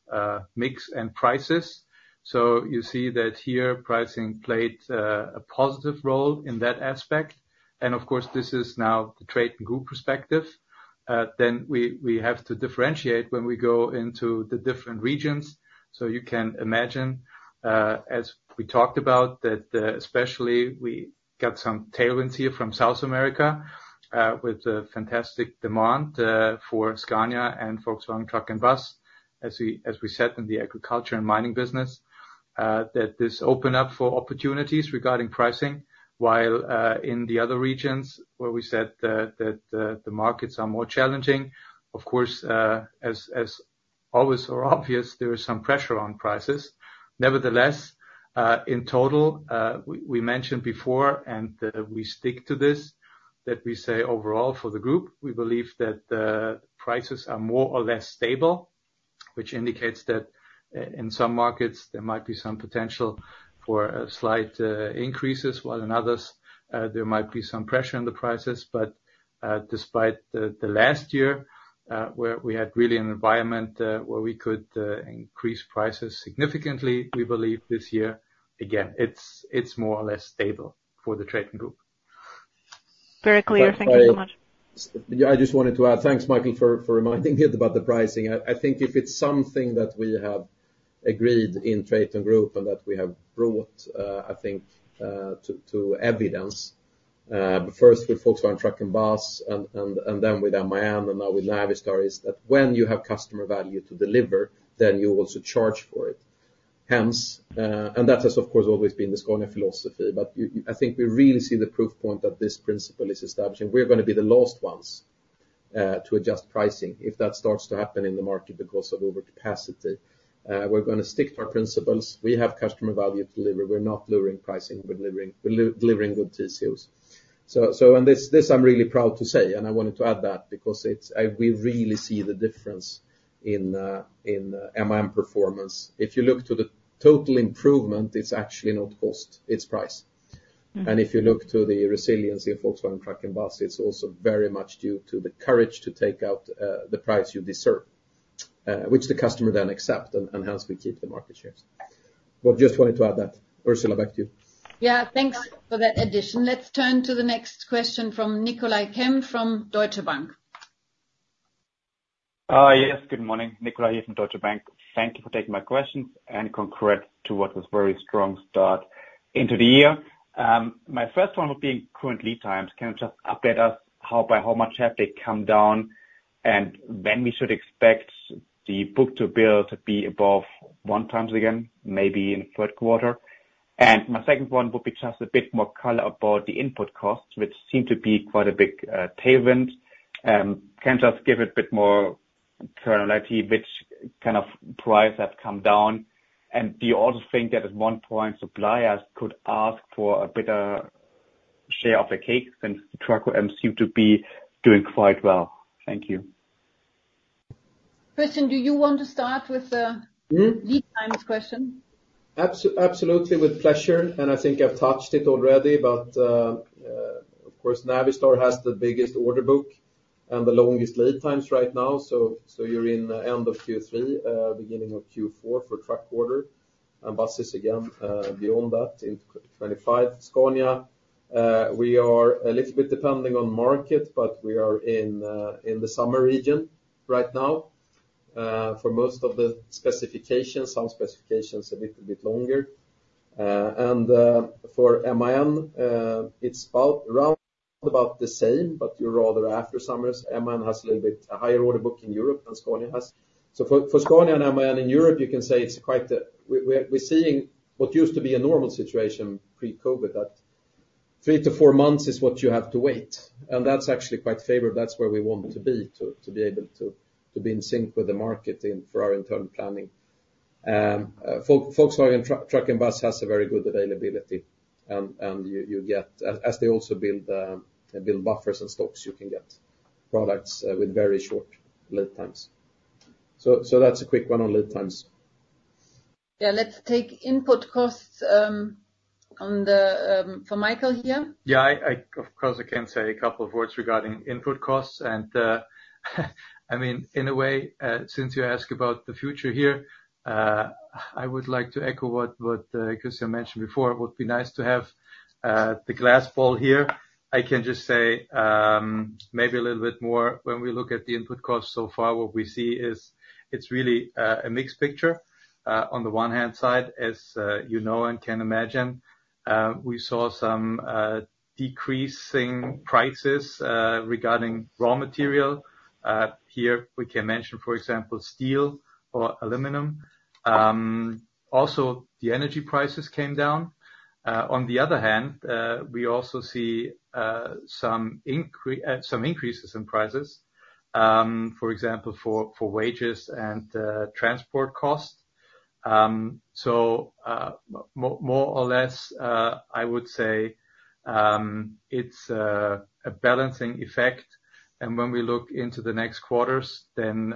mix and prices. So you see that here, pricing played a positive role in that aspect. And of course, this is now the TRATON and Group perspective. Then we have to differentiate when we go into the different regions. So you can imagine, as we talked about, that especially we got some tailwinds here from South America with a fantastic demand for Scania and Volkswagen Truck & Bus, as we said in the agriculture and mining business, that this opens up for opportunities regarding pricing, while in the other regions where we said that the markets are more challenging. Of course, as always or obvious, there is some pressure on prices. Nevertheless, in total, we mentioned before, and we stick to this, that we say overall for the group, we believe that the prices are more or less stable, which indicates that in some markets, there might be some potential for slight increases, while in others there might be some pressure on the prices. But, despite the last year, where we had really an environment where we could increase prices significantly, we believe this year, again, it's more or less stable for the TRATON Group.
Very clear. Thank you so much.
Yeah, I just wanted to add, thanks, Michael, for reminding me about the pricing. I think if it's something that we have agreed in TRATON Group and that we have brought, I think, to evidence first with Volkswagen Truck & Bus and then with MAN and now with Navistar, is that when you have customer value to deliver, then you also charge for it. Hence, and that has, of course, always been the Scania philosophy, but I think we really see the proof point that this principle is establishing. We're gonna be the last ones to adjust pricing if that starts to happen in the market because of overcapacity. We're gonna stick to our principles. We have customer value to deliver. We're not lowering pricing, we're delivering good TCOs. So, and this I'm really proud to say, and I wanted to add that because it's, we really see the difference in MAN performance. If you look to the total improvement, it's actually not cost, it's price. And if you look to the resiliency of Volkswagen Truck & Bus, it's also very much due to the courage to take out the price you deserve, which the customer then accept, and hence we keep the market shares. But just wanted to add that. Ursula, back to you.
Yeah, thanks for that addition. Let's turn to the next question from Nicolai Kempf from Deutsche Bank.
Yes, good morning. Nicolai here from Deutsche Bank. Thank you for taking my questions, and congrats to what was very strong start into the year. My first one would be current lead times. Can you just update us how, by how much have they come down, and when we should expect the book-to-bill to be above one times again, maybe in third quarter? And my second one would be just a bit more color about the input costs, which seem to be quite a big tailwind. Can you just give it a bit more clarity, which kind of price have come down? And do you also think that at one point, suppliers could ask for a better share of the cake, since truck OEMs seem to be doing quite well? Thank you.
Christian, do you want to start with the- Lead times question?
Absolutely, with pleasure, and I think I've touched it already, but of course, Navistar has the biggest order book and the longest lead times right now. So you're in end of Q3, beginning of Q4 for truck order, and buses again beyond that in 2025. Scania, we are a little bit depending on market, but we are in the summer region right now for most of the specifications, some specifications a little bit longer. And for MAN, it's about round about the same, but you're rather after summers. MAN has a little bit higher order book in Europe than Scania has. So for Scania and MAN in Europe, you can say it's quite the... We're seeing what used to be a normal situation pre-COVID, that 3-4 months is what you have to wait, and that's actually quite favored. That's where we want to be, to be able to be in sync with the market and for our internal planning. Volkswagen Truck & Bus has a very good availability, and you get, as they also build buffers and stocks, you can get products with very short lead times. So that's a quick one on lead times.
Yeah, let's take input costs, one for Michael here.
Yeah, of course, I can say a couple of words regarding input costs, and, I mean, in a way, since you ask about the future here, I would like to echo what Christian mentioned before. It would be nice to have the glass ball here. I can just say, maybe a little bit more, when we look at the input costs so far, what we see is it's really a mixed picture. On the one hand side, as you know and can imagine, we saw some decreasing prices regarding raw material. Here, we can mention, for example, steel or aluminum. Also, the energy prices came down. On the other hand, we also see some increases in prices, for example, for wages and transport costs. So, more or less, I would say, it's a balancing effect. And when we look into the next quarters, then,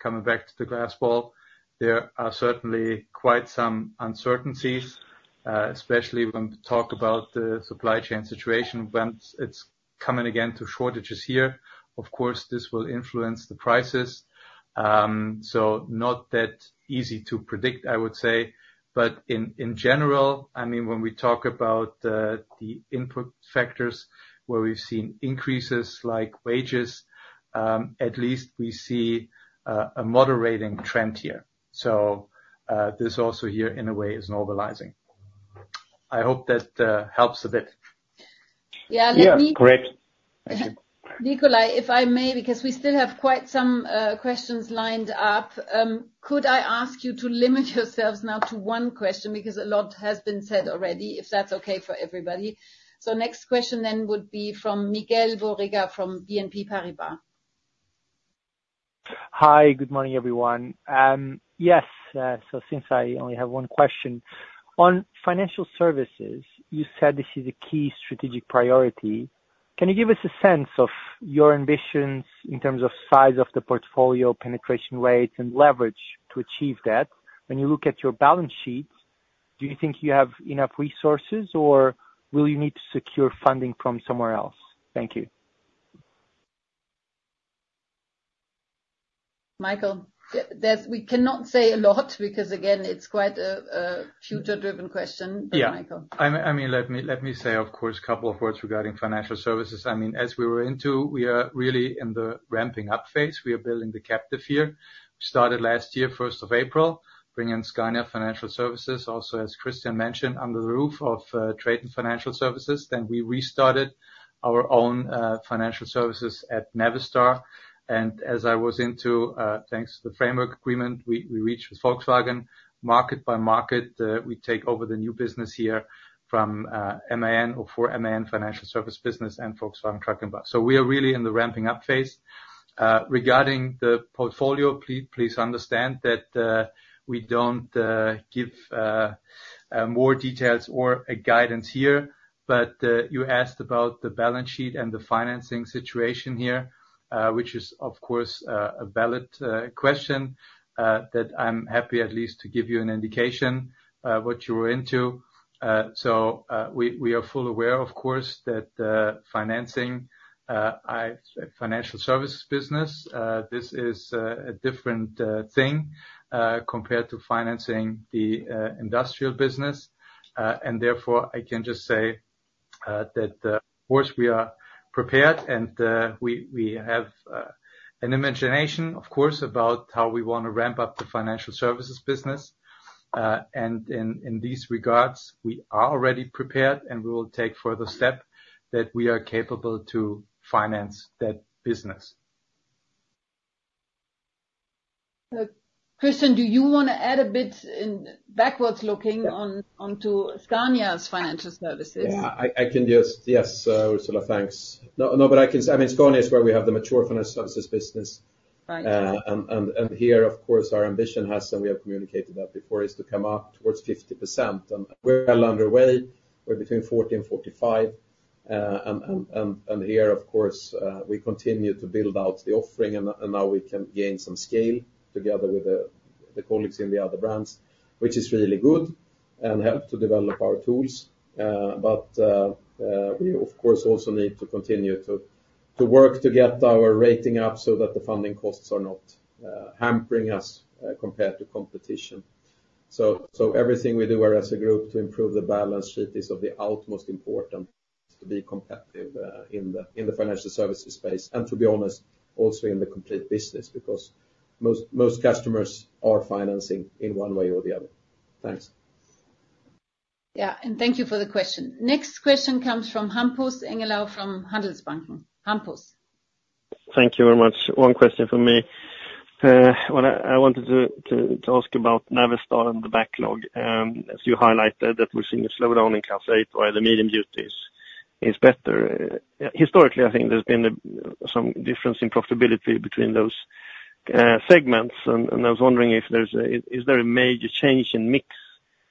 coming back to the glass ball, there are certainly quite some uncertainties, especially when we talk about the supply chain situation, when it's coming again to shortages here. Of course, this will influence the prices. So not that easy to predict, I would say. But in general, I mean, when we talk about the input factors, where we've seen increases like wages, at least we see a moderating trend here. So, this also here, in a way, is normalizing. I hope that helps a bit.
Yeah, let me-
Yeah, great. Thank you.
Nicolai, if I may, because we still have quite some questions lined up, could I ask you to limit yourselves now to one question? Because a lot has been said already, if that's okay for everybody. So next question then would be from Miguel Borrega from BNP Paribas.
Hi, good morning, everyone. Yes, since I only have one question, on financial services, you said this is a key strategic priority. Can you give us a sense of your ambitions in terms of size of the portfolio, penetration rates, and leverage to achieve that? When you look at your balance sheets, do you think you have enough resources, or will you need to secure funding from somewhere else? Thank you.
Michael, we cannot say a lot, because again, it's quite a future-driven question.
Yeah.
But Michael.
I mean, let me, let me say, of course, a couple of words regarding financial services. I mean, as we were into, we are really in the ramping up phase. We are building the captive here. Started last year, first of April, bringing Scania Financial Services, also, as Christian mentioned, under the roof of TRATON Financial Services. Then we restarted our own financial services at Navistar. And as I was into, thanks to the framework agreement, we reached with Volkswagen, market by market, we take over the new business here from MAN or for MAN Financial Services business and Volkswagen Truck & Bus. So we are really in the ramping up phase. Regarding the portfolio, please understand that, we don't give more details or a guidance here. You asked about the balance sheet and the financing situation here, which is, of course, a valid question that I'm happy at least to give you an indication what you were into. So, we are fully aware, of course, that financing the financial services business, this is a different thing compared to financing the industrial business. And therefore, I can just say that, of course, we are prepared, and we have an imagination, of course, about how we want to ramp up the financial services business. And in these regards, we are already prepared, and we will take further step that we are capable to finance that business.
So, Christian, do you want to add a bit in backwards looking on...
Yeah.
onto Scania's financial services?
Yeah, I can just. Yes, Ursula, thanks. No, no, but I can say, I mean, Scania is where we have the mature financial services business.
Right.
And here, of course, our ambition has, and we have communicated that before, is to come up towards 50%. And we're well underway. We're between 40% and 45%. And here, of course, we continue to build out the offering, and now we can gain some scale together with the colleagues in the other brands, which is really good and help to develop our tools. But we, of course, also need to continue to work to get our rating up so that the funding costs are not hampering us compared to competition. So, everything we do here as a group to improve the balance sheet is of the utmost important to be competitive in the financial services space, and to be honest, also in the complete business, because most, most customers are financing in one way or the other. Thanks.
Yeah, and thank you for the question. Next question comes from Hampus Engellau, from Handelsbanken. Hampus?
Thank you very much. One question from me. Well, I wanted to ask about Navistar and the backlog. As you highlighted, we're seeing a slowdown in Class 8, while the medium duty is better. Historically, I think there's been some difference in profitability between those segments. I was wondering if there's a... Is there a major change in mix,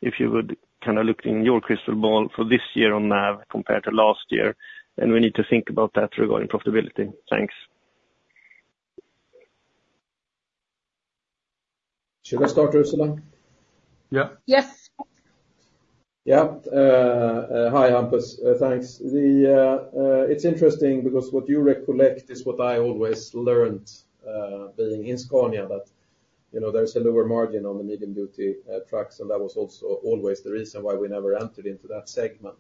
if you would kind of look in your crystal ball for this year on Nav, compared to last year? And we need to think about that regarding profitability. Thanks.
Should I start, Ursula?
Yeah.
Yes.
Yeah. Hi, Hampus, thanks. It's interesting because what you recollect is what I always learned, being in Scania, that, you know, there's a lower margin on the medium-duty trucks, and that was also always the reason why we never entered into that segment.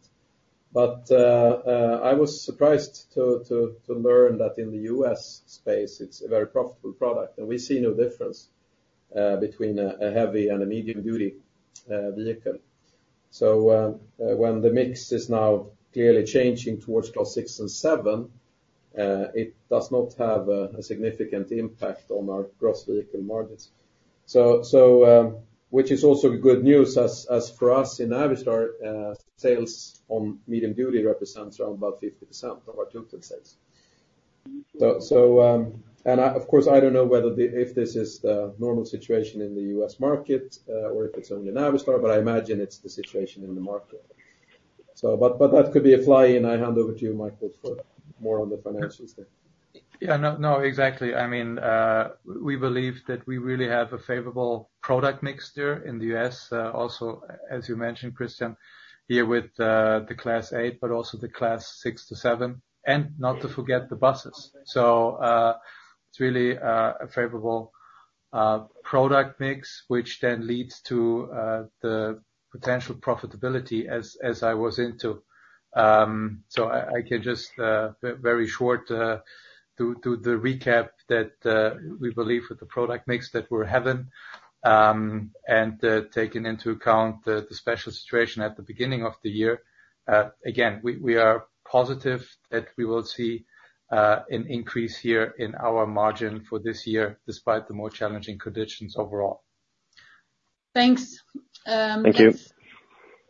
But I was surprised to learn that in the U.S. space, it's a very profitable product, and we see no difference between a heavy and a medium-duty vehicle. So, when the mix is now clearly changing towards Class 6 and 7, it does not have a significant impact on our gross vehicle margins. So, which is also good news as for us in Navistar, sales on medium-duty represents around about 50% of our total sales. Of course, I don't know whether the... If this is the normal situation in the U.S. market, or if it's only Navistar, but I imagine it's the situation in the market. So, that could be a fly in. I hand over to you, Michael, for more on the financial state.
Yeah.
Yeah. No, no, exactly. I mean, we believe that we really have a favorable product mixture in the US. Also, as you mentioned, Christian, here with the Class 8, but also the Class 6 to 7, and not to forget the buses. So, it's really a favorable product mix, which then leads to the potential profitability as I was into. So I can just very short do the recap that we believe that the product mix that we're having, and taking into account the special situation at the beginning of the year, again, we are positive that we will see an increase here in our margin for this year, despite the more challenging conditions overall.
Thanks.
Thank you.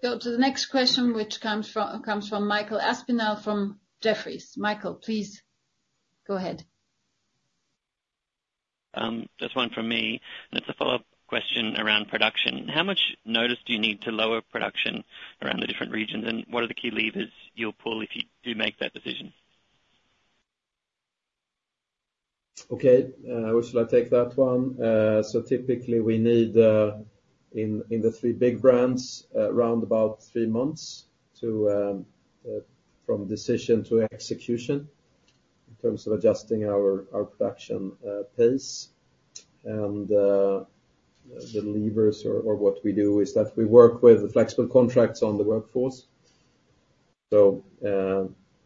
Let's go to the next question, which comes from Michael Aspinall from Jefferies. Michael, please go ahead.
Just one from me, and it's a follow-up question around production. How much notice do you need to lower production around the different regions, and what are the key levers you'll pull if you do make that decision?
Okay, Ursula, I take that one. So typically we need, in the three big brands, around about three months to from decision to execution, in terms of adjusting our production pace. And the levers or what we do is that we work with flexible contracts on the workforce. So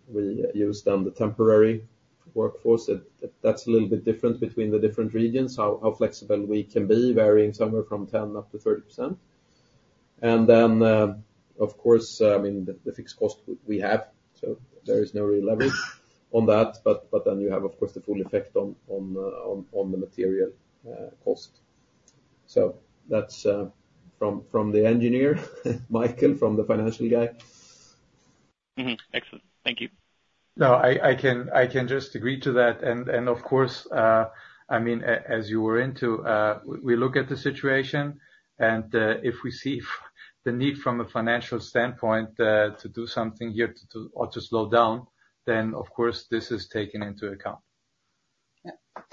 we use then the temporary workforce. That's a little bit different between the different regions, how flexible we can be, varying somewhere from 10%-30%. And then, of course, I mean, the fixed cost we have, so there is no real leverage on that, but then you have, of course, the full effect on the material cost. So that's from the engineer, Michael, from the financial guy.
Excellent. Thank you.
No, I can just agree to that. And of course, I mean, as you were into, we look at the situation, and if we see the need from a financial standpoint, to do something here, or to slow down, then of course, this is taken into account.
Yeah....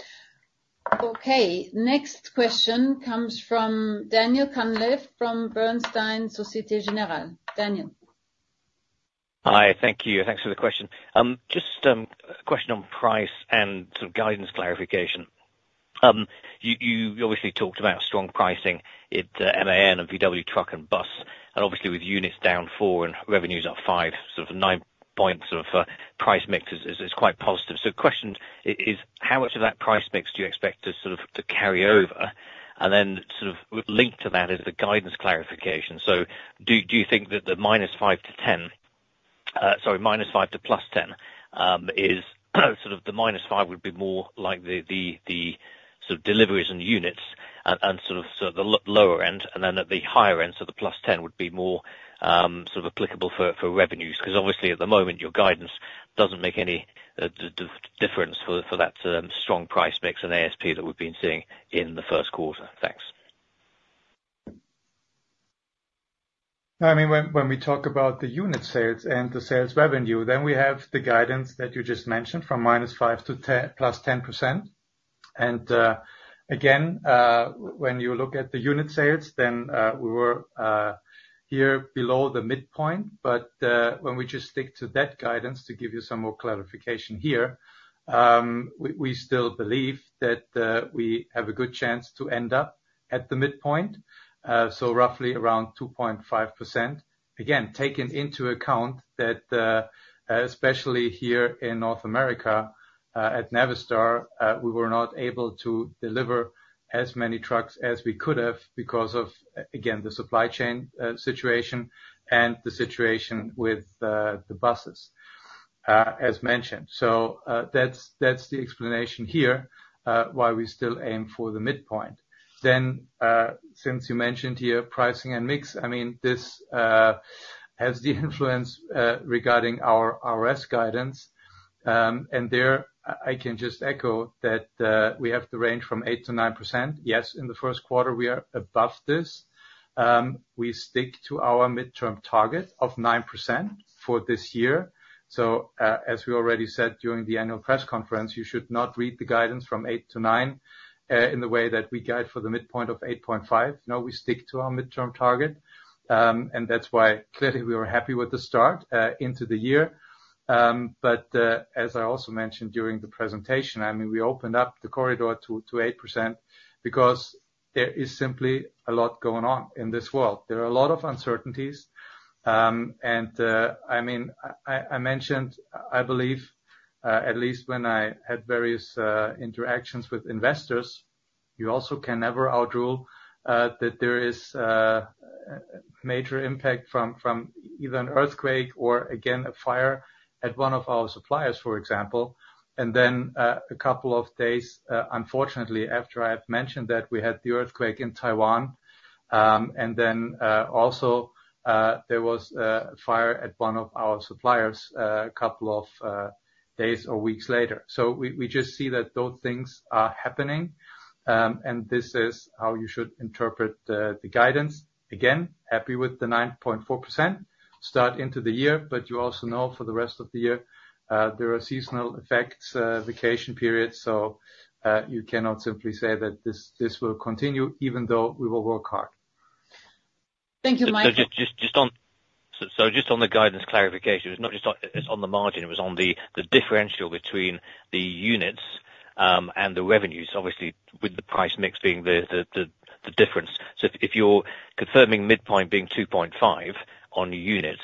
Okay, next question comes from Daniel Cunliffe from Bernstein Société Générale. Daniel?
Hi, thank you. Thanks for the question. Just a question on price and sort of guidance clarification. You obviously talked about strong pricing at MAN and VW Truck and Bus, and obviously with units down 4 and revenues up 5, sort of 9 points of price mix is quite positive. So question is, how much of that price mix do you expect to sort of carry over? And then sort of linked to that is the guidance clarification. So do you think that the minus 5-10... Sorry, -5 to +10 is sort of the -5 would be more like the sort of deliveries and units, so the lower end, and then at the higher end, so the +10 would be more sort of applicable for revenues? Because obviously at the moment, your guidance doesn't make any difference for that strong price mix and ASP that we've been seeing in the first quarter. Thanks.
I mean, when we talk about the unit sales and the sales revenue, then we have the guidance that you just mentioned from -5% to +10%. And, again, when you look at the unit sales, then we were here below the midpoint, but when we just stick to that guidance to give you some more clarification here, we still believe that we have a good chance to end up at the midpoint, so roughly around 2.5%. Again, taking into account that, especially here in North America, at Navistar, we were not able to deliver as many trucks as we could have because of, again, the supply chain situation and the situation with the buses, as mentioned. So, that's, that's the explanation here, why we still aim for the midpoint. Then, since you mentioned here pricing and mix, I mean, this has the influence regarding our ROS guidance, and there I, I can just echo that, we have the range from 8%-9%. Yes, in the first quarter, we are above this. We stick to our midterm target of 9% for this year. So, as we already said during the annual press conference, you should not read the guidance from 8%-9%, in the way that we guide for the midpoint of 8.5. No, we stick to our midterm target, and that's why clearly we were happy with the start into the year. But, as I also mentioned during the presentation, I mean, we opened up the corridor to 8% because there is simply a lot going on in this world. There are a lot of uncertainties, and, I mean, I mentioned, I believe, at least when I had various interactions with investors, you also can never rule out that there is a major impact from either an earthquake or again, a fire at one of our suppliers, for example. And then, a couple of days, unfortunately, after I had mentioned that, we had the earthquake in Taiwan, and then, also, there was a fire at one of our suppliers, a couple of days or weeks later. So we just see that those things are happening, and this is how you should interpret the guidance. Again, happy with the 9.4% start into the year, but you also know for the rest of the year, there are seasonal effects, vacation periods, so you cannot simply say that this will continue even though we will work hard.
Thank you, Michael.
So just on the guidance clarification, it's not just on, it's on the margin, it was on the differential between the units and the revenues, obviously, with the price mix being the difference. So if you're confirming midpoint being 2.5 on units,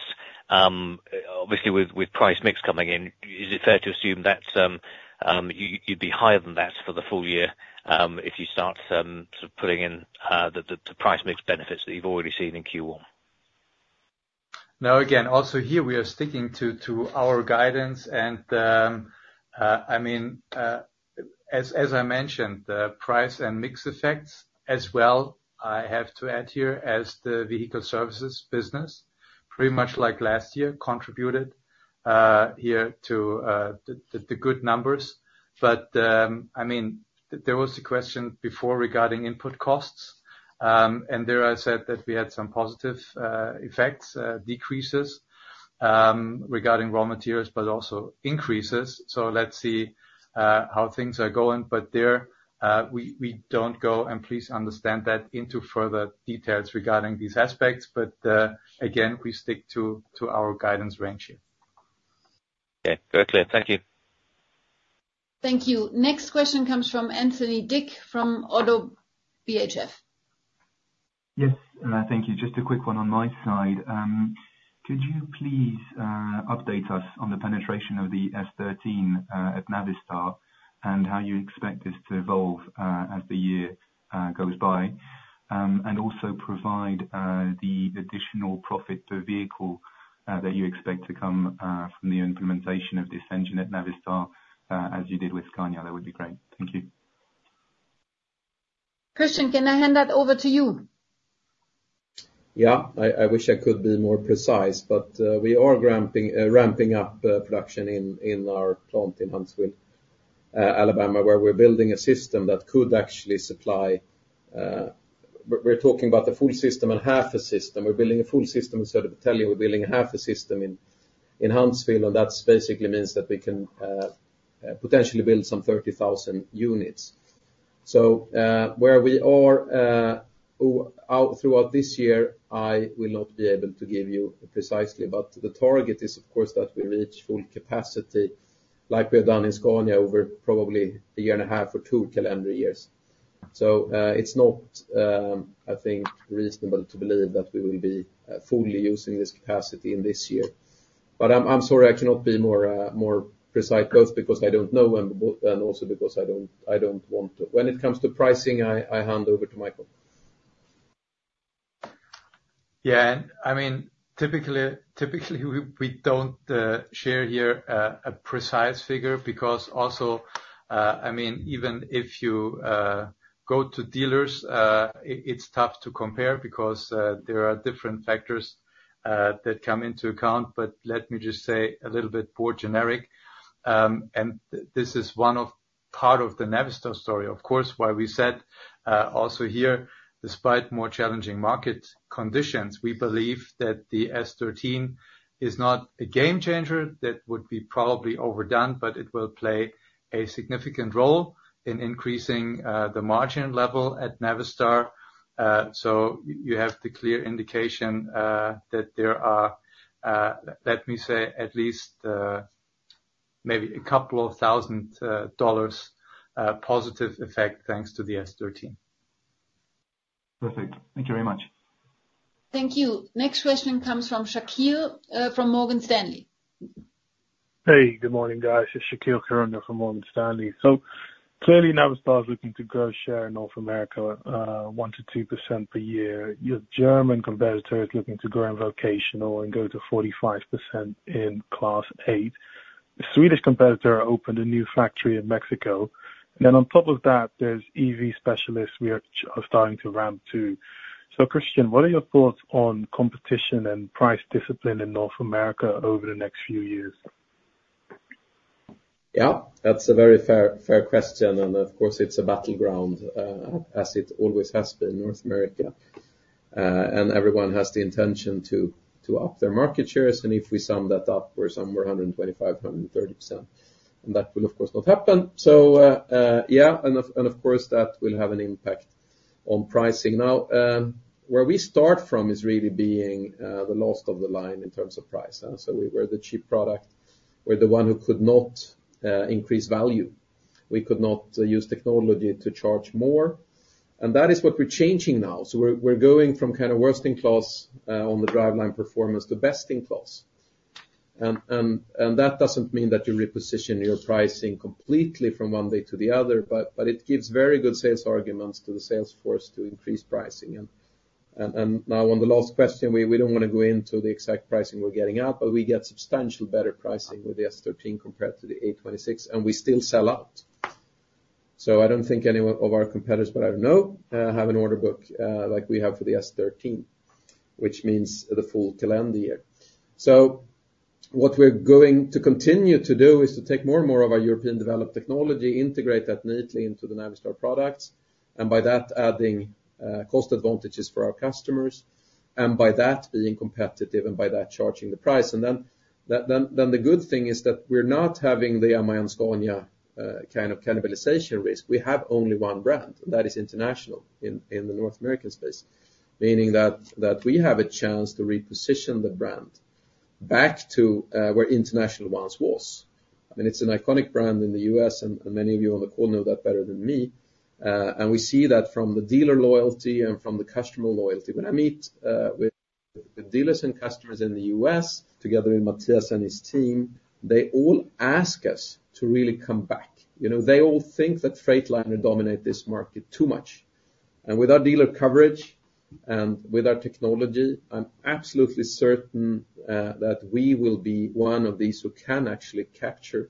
obviously, with price mix coming in, is it fair to assume that's you'd be higher than that for the full year, if you start sort of putting in the price mix benefits that you've already seen in Q1?
No, again, also here, we are sticking to our guidance. And, I mean, as I mentioned, the price and mix effects as well, I have to add here, as the vehicle services business, pretty much like last year, contributed here to the good numbers. But, I mean, there was a question before regarding input costs, and there I said that we had some positive effects, decreases, regarding raw materials, but also increases. So let's see how things are going. But there, we don't go, and please understand that, into further details regarding these aspects. But, again, we stick to our guidance range here.
Okay, very clear. Thank you.
Thank you. Next question comes from Anthony Dick, from ODDO BHF.
Yes, thank you. Just a quick one on my side. Could you please update us on the penetration of the S13 at Navistar, and how you expect this to evolve as the year goes by? And also provide the additional profit per vehicle that you expect to come from the implementation of this engine at Navistar, as you did with Scania. That would be great. Thank you.
Christian, can I hand that over to you?
Yeah. I wish I could be more precise, but we are ramping up production in our plant in Huntsville, Alabama, where we're building a system that could actually supply... We're talking about the full system and half a system. We're building a full system in Södertälje. We're building half a system in Huntsville, and that's basically means that we can potentially build some 30,000 units. So, where we are throughout this year, I will not be able to give you precisely, but the target is, of course, that we reach full capacity like we have done in Scania over probably a year and a half or two calendar years. So, it's not, I think, reasonable to believe that we will be fully using this capacity in this year. But I'm sorry I cannot be more precise, both because I don't know and also because I don't want to. When it comes to pricing, I hand over to Michael.
Yeah, and I mean, typically, we don't share here a precise figure because also, I mean, even if you go to dealers, it's tough to compare because there are different factors that come into account. But let me just say a little bit more generic, and this is one of, part of the Navistar story, of course, why we said also here, despite more challenging market conditions, we believe that the S13 is not a game changer. That would be probably overdone, but it will play a significant role in increasing the margin level at Navistar. So you have the clear indication that there are, let me say, at least, maybe $2,000 positive effect, thanks to the S13.
Perfect. Thank you very much.
Thank you. Next question comes from Shaqeel Kirram from Morgan Stanley.
Hey, good morning, guys. It's Shaqeel Kirram from Morgan Stanley. So clearly, Navistar is looking to grow share in North America, 1%-2% per year. Your German competitor is looking to grow in vocational and go to 45% in Class 8. A Swedish competitor opened a new factory in Mexico. And then on top of that, there's EV specialists we are chasing are starting to ramp, too. So Christian, what are your thoughts on competition and price discipline in North America over the next few years?
Yeah, that's a very fair, fair question, and of course, it's a battleground, as it always has been in North America. And everyone has the intention to up their market shares, and if we sum that up, we're somewhere around 125-130%. And that will, of course, not happen. So, yeah, and of course, that will have an impact on pricing. Now, where we start from is really being the last of the line in terms of price. So we were the cheap product. We're the one who could not increase value. We could not use technology to charge more, and that is what we're changing now. So we're going from kind of worst in class on the driveline performance to best in class. And that doesn't mean that you reposition your pricing completely from one day to the other, but, but it gives very good sales arguments to the sales force to increase pricing. And, and, and now on the last question, we, we don't want to go into the exact pricing we're getting out, but we get substantially better pricing with the S13 compared to the A26, and we still sell out. So I don't think any one of our competitors, that I know, have an order book like we have for the S13, which means the full calendar year. So what we're going to continue to do is to take more and more of our European-developed technology, integrate that neatly into the Navistar products, and by that, adding cost advantages for our customers, and by that, being competitive, and by that, charging the price. And then the good thing is that we're not having the MAN-Scania kind of cannibalization risk. We have only one brand, and that is International in the North American space. Meaning that we have a chance to reposition the brand back to where International once was. I mean, it's an iconic brand in the US, and many of you on the call know that better than me. And we see that from the dealer loyalty and from the customer loyalty. When I meet with the dealers and customers in the US, together with Mathias and his team, they all ask us to really come back. You know, they all think that Freightliner dominates this market too much. With our dealer coverage and with our technology, I'm absolutely certain that we will be one of these who can actually capture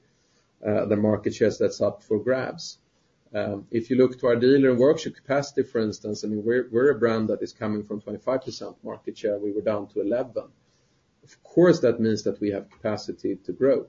the market shares that's up for grabs. If you look to our dealer workshop capacity, for instance, I mean, we're, we're a brand that is coming from 25% market share. We were down to 11. Of course, that means that we have capacity to grow.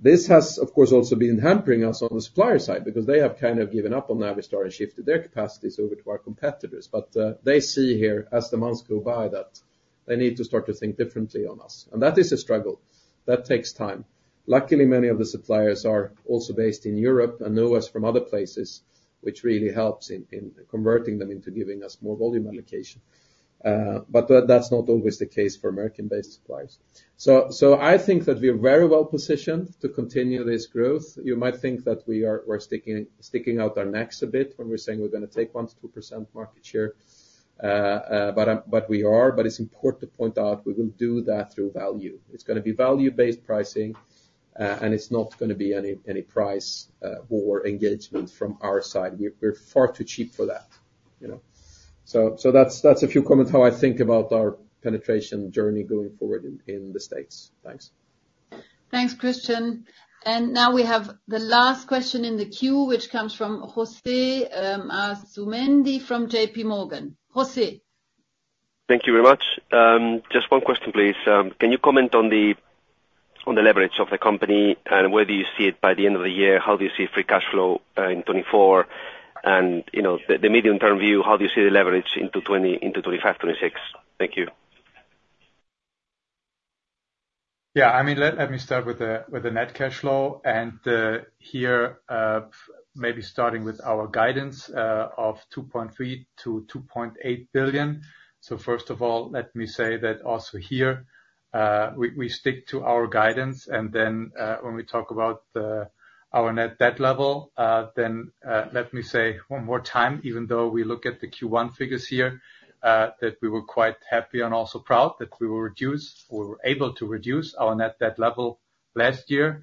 This has, of course, also been hampering us on the supplier side because they have kind of given up on Navistar and shifted their capacities over to our competitors. But they see here, as the months go by, that they need to start to think differently on us, and that is a struggle. That takes time. Luckily, many of the suppliers are also based in Europe and know us from other places, which really helps in converting them into giving us more volume allocation. But that, that's not always the case for American-based suppliers. So, I think that we are very well positioned to continue this growth. You might think that we're sticking out our necks a bit when we're saying we're going to take 1%-2% market share. But we are, but it's important to point out we will do that through value. It's going to be value-based pricing, and it's not going to be any price or engagement from our side. We're far too cheap for that, you know? So that's a few comments how I think about our penetration journey going forward in the States. Thanks.
Thanks, Christian. Now we have the last question in the queue, which comes from Jose Asumendi from JPMorgan. Jose?
Thank you very much. Just one question, please. Can you comment on the, on the leverage of the company, and where do you see it by the end of the year? How do you see free cash flow in 2024?... and, you know, the medium-term view, how do you see the leverage into 2025, 2026? Thank you.
Yeah, I mean, let me start with the net cash flow, and here, maybe starting with our guidance of 2.3 billion-2.8 billion. So first of all, let me say that also here, we stick to our guidance, and then, when we talk about our net debt level, then let me say one more time, even though we look at the Q1 figures here, that we were quite happy and also proud that we were able to reduce our net debt level last year,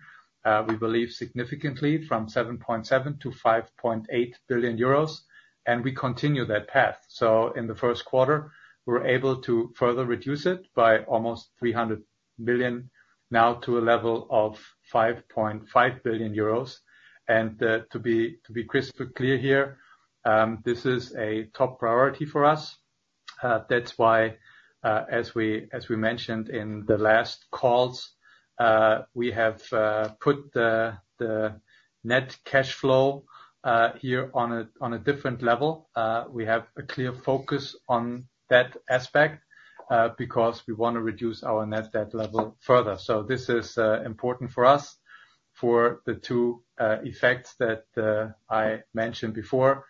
we believe significantly from 7.7 billion to 5.8 billion euros, and we continue that path. So in the first quarter, we're able to further reduce it by almost 300 million to a level of 5.5 billion euros. To be crystal clear here, this is a top priority for us. That's why, as we mentioned in the last calls, we have put the net cash flow here on a different level. We have a clear focus on that aspect, because we wanna reduce our net debt level further. So this is important for us for the two effects that I mentioned before.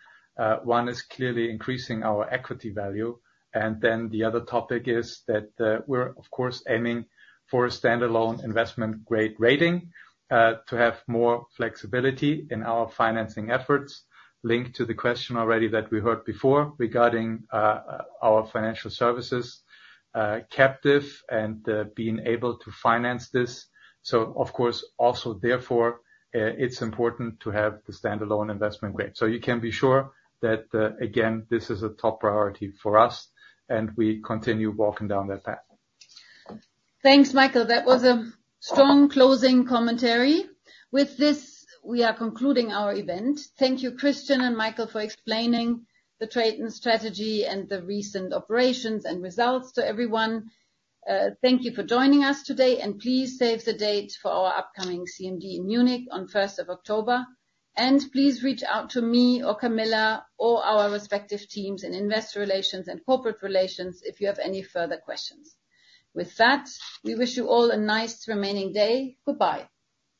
One is clearly increasing our equity value, and then the other topic is that, we're, of course, aiming for a standalone investment-grade rating, to have more flexibility in our financing efforts. Linked to the question already that we heard before regarding our financial services captive and being able to finance this. So of course, also therefore, it's important to have the standalone investment grade. So you can be sure that, again, this is a top priority for us, and we continue walking down that path.
Thanks, Michael. That was a strong closing commentary. With this, we are concluding our event. Thank you, Christian and Michael, for explaining the TRATON strategy and the recent operations and results to everyone. Thank you for joining us today, and please save the date for our upcoming CMD in Munich on first of October. Please reach out to me or Camilla or our respective teams in investor relations and corporate relations if you have any further questions. With that, we wish you all a nice remaining day. Goodbye.